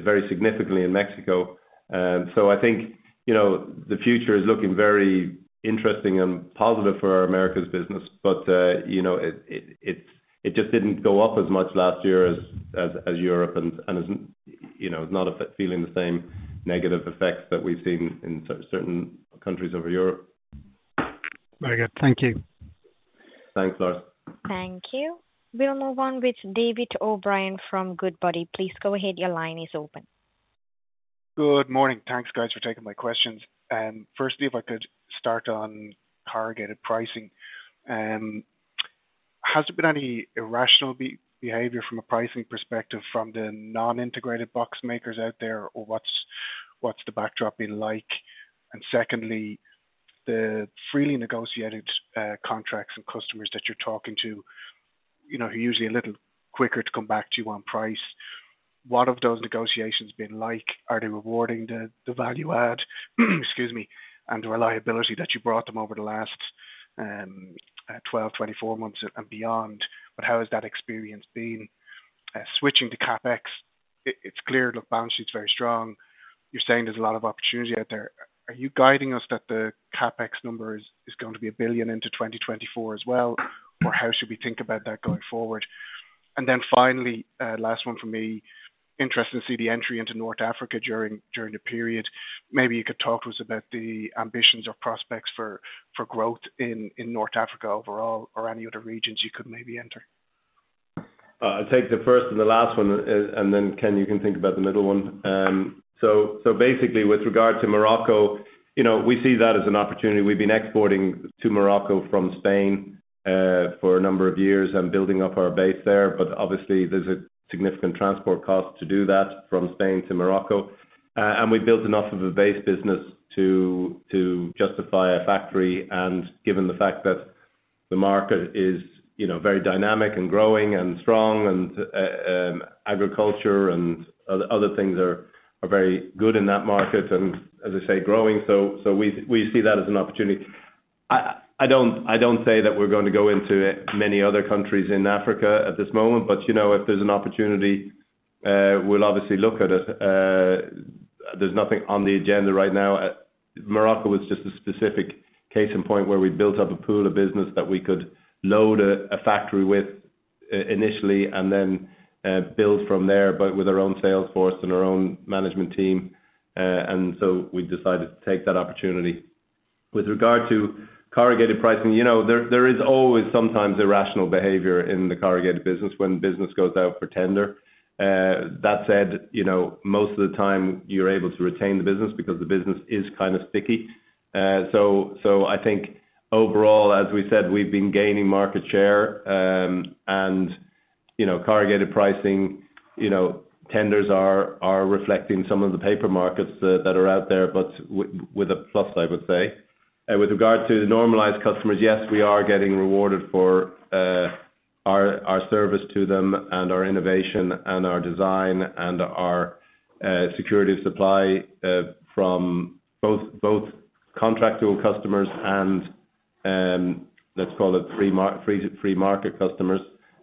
very significantly in Mexico. I think, you know, the future is looking very interesting and positive for our Americas business, but, you know it's, it just didn't go up as much last year as Europe and, and, as, you know, it's not feeling the same negative effects that we've seen in certain countries over Europe. Very good. Thank you. Thanks, Lars. Thank you. We'll move on with David O'Brien from Goodbody. Please go ahead. Your line is open. Good morning. Thanks, guys, for taking my questions. Firstly, if I could start on corrugated pricing. Has there been any irrational behavior from a pricing perspective from the non-integrated box makers out there? Or what's, what's the backdrop been like? Secondly, the freely negotiated contracts and customers that you're talking to, you know, are usually a little quicker to come back to you on price. What have those negotiations been like? Are they rewarding the, the value add, excuse me, and the reliability that you brought them over the last 12, 24 months and beyond? How has that experience been? Switching to CapEx, it's clear the balance sheet's very strong. You're saying there's a lot of opportunity out there. Are you guiding us that the CapEx number is, is going to be 1 billion into 2024 as well? How should we think about that going forward? Finally, last one from me. Interested to see the entry into North Africa during, during the period. Maybe you could talk to us about the ambitions or prospects for growth in, in North Africa overall, or any other regions you could maybe enter? I'll take the first and the last one, and then, Ken, you can think about the middle one. Basically, with regard to Morocco, you know, we see that as an opportunity. We've been exporting to Morocco from Spain for a number of years and building up our base there. Obviously there's a significant transport cost to do that from Spain to Morocco. We've built enough of a base business to justify a factory, and given the fact that the market is, you know, very dynamic and growing and strong and agriculture and other things are very good in that market, and as I say, growing, so we, we see that as an opportunity. I, I don't, I don't say that we're going to go into many other countries in Africa at this moment, but, you know, if there's an opportunity, we'll obviously look at it. There's nothing on the agenda right now. Morocco was just a specific case in point where we built up a pool of business that we could load a, a factory with initially, and then, build from there, but with our own sales force and our own management team, and so we decided to take that opportunity. With regard to corrugated pricing, you know, there, there is always sometimes irrational behavior in the corrugated business when business goes out for tender. That said, you know, most of the time you're able to retain the business because the business is kind of sticky. So I think overall, as we said, we've been gaining market share, and, you know, corrugated pricing, you know, tenders are, are reflecting some of the paper markets that, that are out there, but with a plus, I would say. With regard to the normalized customers, yes, we are getting rewarded for our service to them and our innovation and our design and our security of supply from both, both contractual customers and, let's call it free, free market customers.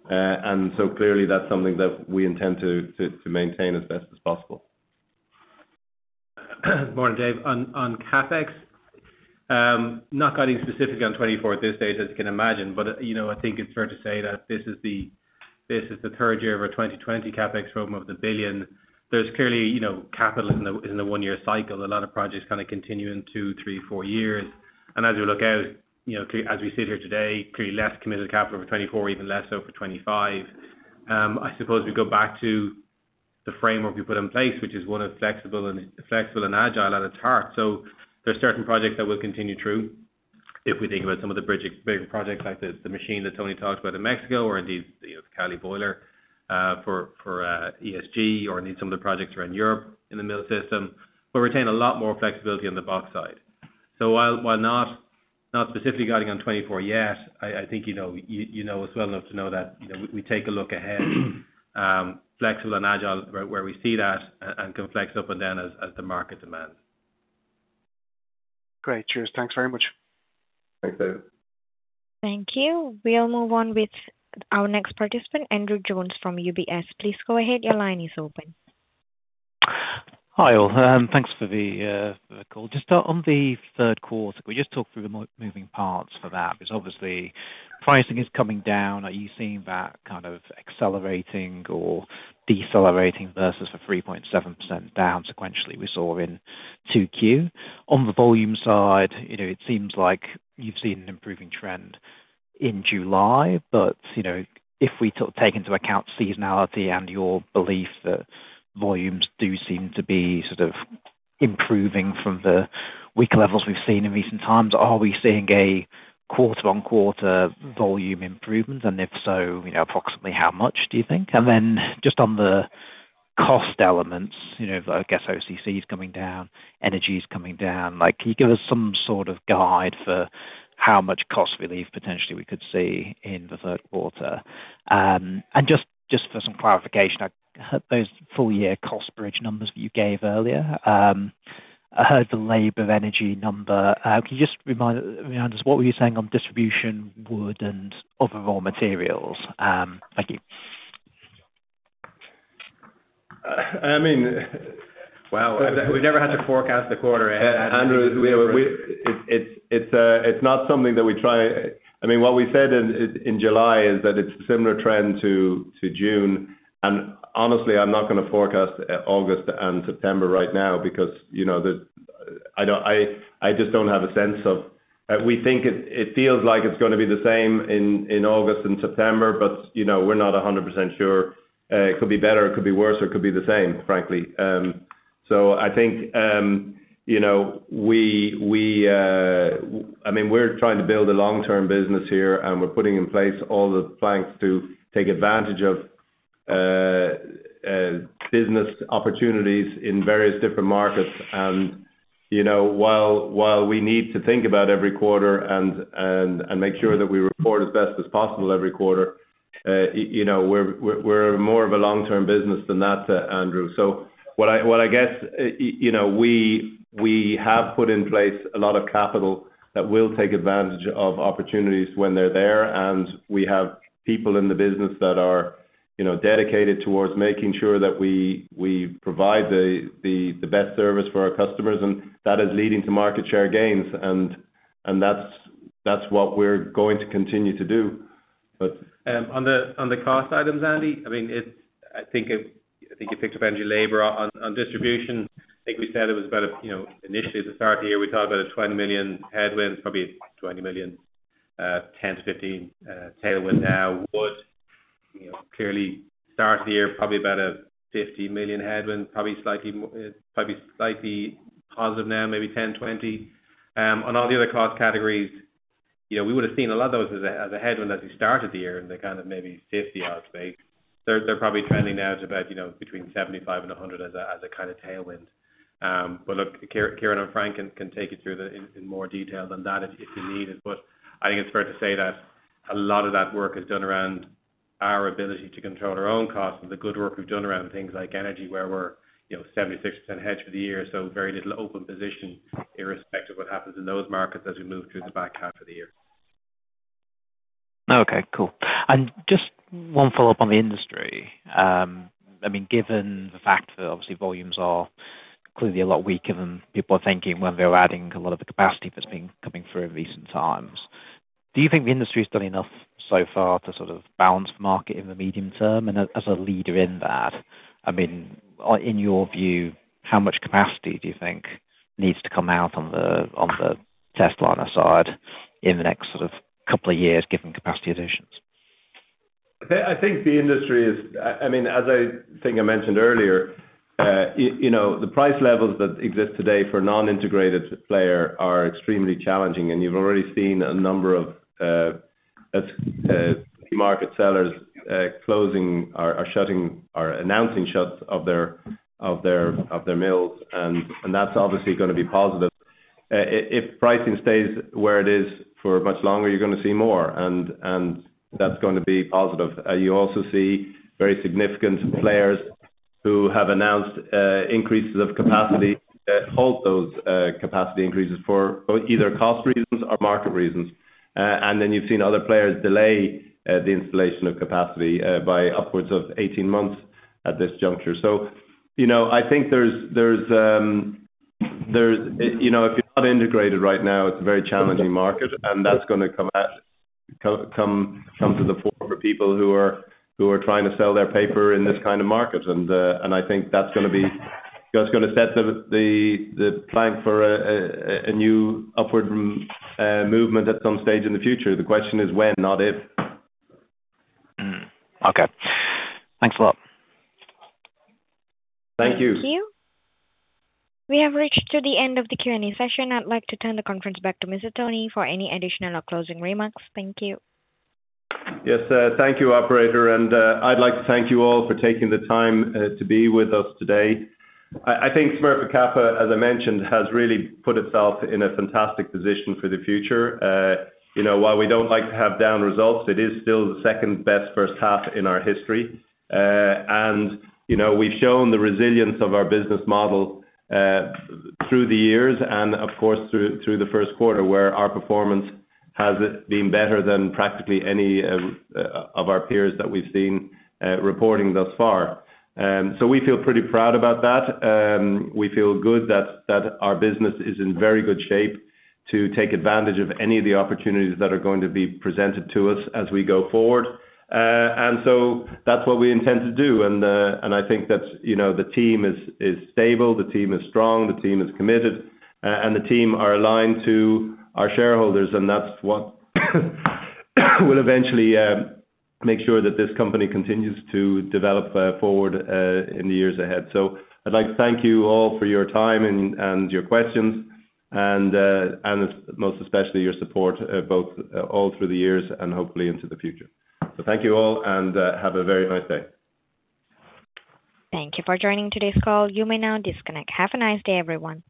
So clearly that's something that we intend to maintain as best as possible. Morning, Dave. On, on CapEx, not getting specifically on 2024 at this stage, as you can imagine, but, you know, I think it's fair to say that this is the, this is the third year of our 2020 CapEx program of the $1 billion. There's clearly, you know, capital in the, in the one-year cycle. A lot of projects kind of continue in two, three, four years. As we look out, you know, as we sit here today, clearly less committed capital for 2024, even less so for 2025. I suppose we go back to the framework we put in place, which is one of flexible and flexible and agile at its heart. There's certain projects that will continue true. If we think about some of the bigger projects like the, the machine that Tony talked about in Mexico, or indeed, you know, the Cali boiler, for, for, ESG, or indeed some of the projects around Europe in the mill system, but retain a lot more flexibility on the box side. While, while not, not specifically guiding on 24 yet, I, I think, you know, you, you know us well enough to know that, you know, we, we take a look ahead, flexible and agile where, where we see that and can flex up and down as, as the market demands. Great. Cheers. Thanks very much. Thanks, David. Thank you. We'll move on with our next participant, Andrew Jones from UBS. Please go ahead. Your line is open. Hi all, thanks for the for the call. Just on the third quarter, can we just talk through the moving parts for that? Because obviously... pricing is coming down. Are you seeing that kind of accelerating or decelerating versus the 3.7% down sequentially we saw in 2Q? On the volume side, you know, it seems like you've seen an improving trend in July, but, you know, if we take into account seasonality and your belief that volumes do seem to be sort of improving from the weaker levels we've seen in recent times, are we seeing a quarter-on-quarter volume improvement? If so, you know, approximately how much do you think? Then just on the cost elements, you know, I guess OCC is coming down, energy is coming down. Like, can you give us some sort of guide for how much cost relief potentially we could see in the third quarter? just for some clarification, I those full year cost bridge numbers you gave earlier. I heard the labor energy number. Can you just remind, remind us, what were you saying on distribution, wood, and other raw materials? Thank you. I mean, Well, we've never had to forecast a quarter. Andrew, we, we... It, it's, it's not something that we try- I mean, what we said in July is that it's a similar trend to June. Honestly, I'm not gonna forecast August and September right now because, you know, the, I don't, I, I just don't have a sense of... We think it, it feels like it's gonna be the same in August and September, but, you know, we're not 100% sure. It could be better, it could be worse, or it could be the same, frankly. I think, you know, we, we, I mean, we're trying to build a long-term business here, and we're putting in place all the planks to take advantage of business opportunities in various different markets. You know, while, while we need to think about every quarter and, and, and make sure that we report as best as possible every quarter, you know, we're, we're, we're more of a long-term business than that, Andrew. What I, what I guess, you know, we, we have put in place a lot of capital that will take advantage of opportunities when they're there, and we have people in the business that are, you know, dedicated towards making sure that we, we provide the, the, the best service for our customers, and that is leading to market share gains. That's, that's what we're going to continue to do, but- On the cost items, Andy, you picked up energy labor on distribution. I think we said it was about, initially at the start of the year, we thought about a $20 million headwind, probably a $20 million, $10 million-$15 million tailwind now. Wood, clearly start the year, probably about a $50 million headwind, probably slightly more, probably slightly positive now, maybe $10 million, $20 million. On all the other cost categories, we would have seen a lot of those as a headwind as we started the year, and they kind of maybe $50 million, I'd say. They're probably trending now to about between $75 million and $100 million as a kind of tailwind. Look, Kire- Kieran and Frank can, can take you through the, in, in more detail than that if, if you need it. I think it's fair to say that a lot of that work is done around our ability to control our own costs and the good work we've done around things like energy, where we're, you know, 76% hedged for the year, so very little open position, irrespective of what happens in those markets as we move through the back half of the year. Okay, cool. Just one follow-up on the industry. I mean, given the fact that obviously volumes are clearly a lot weaker than people were thinking when they were adding a lot of the capacity that's been coming through in recent times. Do you think the industry has done enough so far to sort of balance the market in the medium term? As, as a leader in that, I mean, in your view, how much capacity do you think needs to come out on the, on the Testliner side in the next sort of couple of years, given capacity additions? I think the industry is. I mean, as I think I mentioned earlier, you know, the price levels that exist today for non-integrated player are extremely challenging, and you've already seen a number of market sellers closing or shutting or announcing shuts of their, of their, of their mills. That's obviously gonna be positive. If pricing stays where it is for much longer, you're gonna see more, and that's gonna be positive. You also see very significant players who have announced increases of capacity, halt those capacity increases for either cost reasons or market reasons. Then you've seen other players delay the installation of capacity by upwards of 18 months at this juncture. You know, I think there's, there's, there's, you know, if you're not integrated right now, it's a very challenging market, and that's gonna come to the fore for people who are, who are trying to sell their paper in this kind of market. And I think that's gonna be, that's gonna set the, the, the plank for a new upward movement at some stage in the future. The question is when, not if. Hmm. Okay. Thanks a lot. Thank you. Thank you. We have reached to the end of the Q&A session. I'd like to turn the conference back to Mr. Tony for any additional or closing remarks. Thank you. Yes, thank you, operator. I'd like to thank you all for taking the time to be with us today. I, I think Smurfit Kappa, as I mentioned, has really put itself in a fantastic position for the future. You know, while we don't like to have down results, it is still the second-best first half in our history. You know, we've shown the resilience of our business model, through the years and, of course, through, through the first quarter, where our performance has been better than practically any of our peers that we've seen, reporting thus far. We feel pretty proud about that. We feel good that, that our business is in very good shape to take advantage of any of the opportunities that are going to be presented to us as we go forward. That's what we intend to do. I think that's, you know, the team is stable, the team is strong, the team is committed, and the team are aligned to our shareholders, and that's what will eventually make sure that this company continues to develop forward in the years ahead. I'd like to thank you all for your time and, and your questions and most especially, your support, both all through the years and hopefully into the future. Thank you all, and have a very nice day. Thank you for joining today's call. You may now disconnect. Have a nice day, everyone!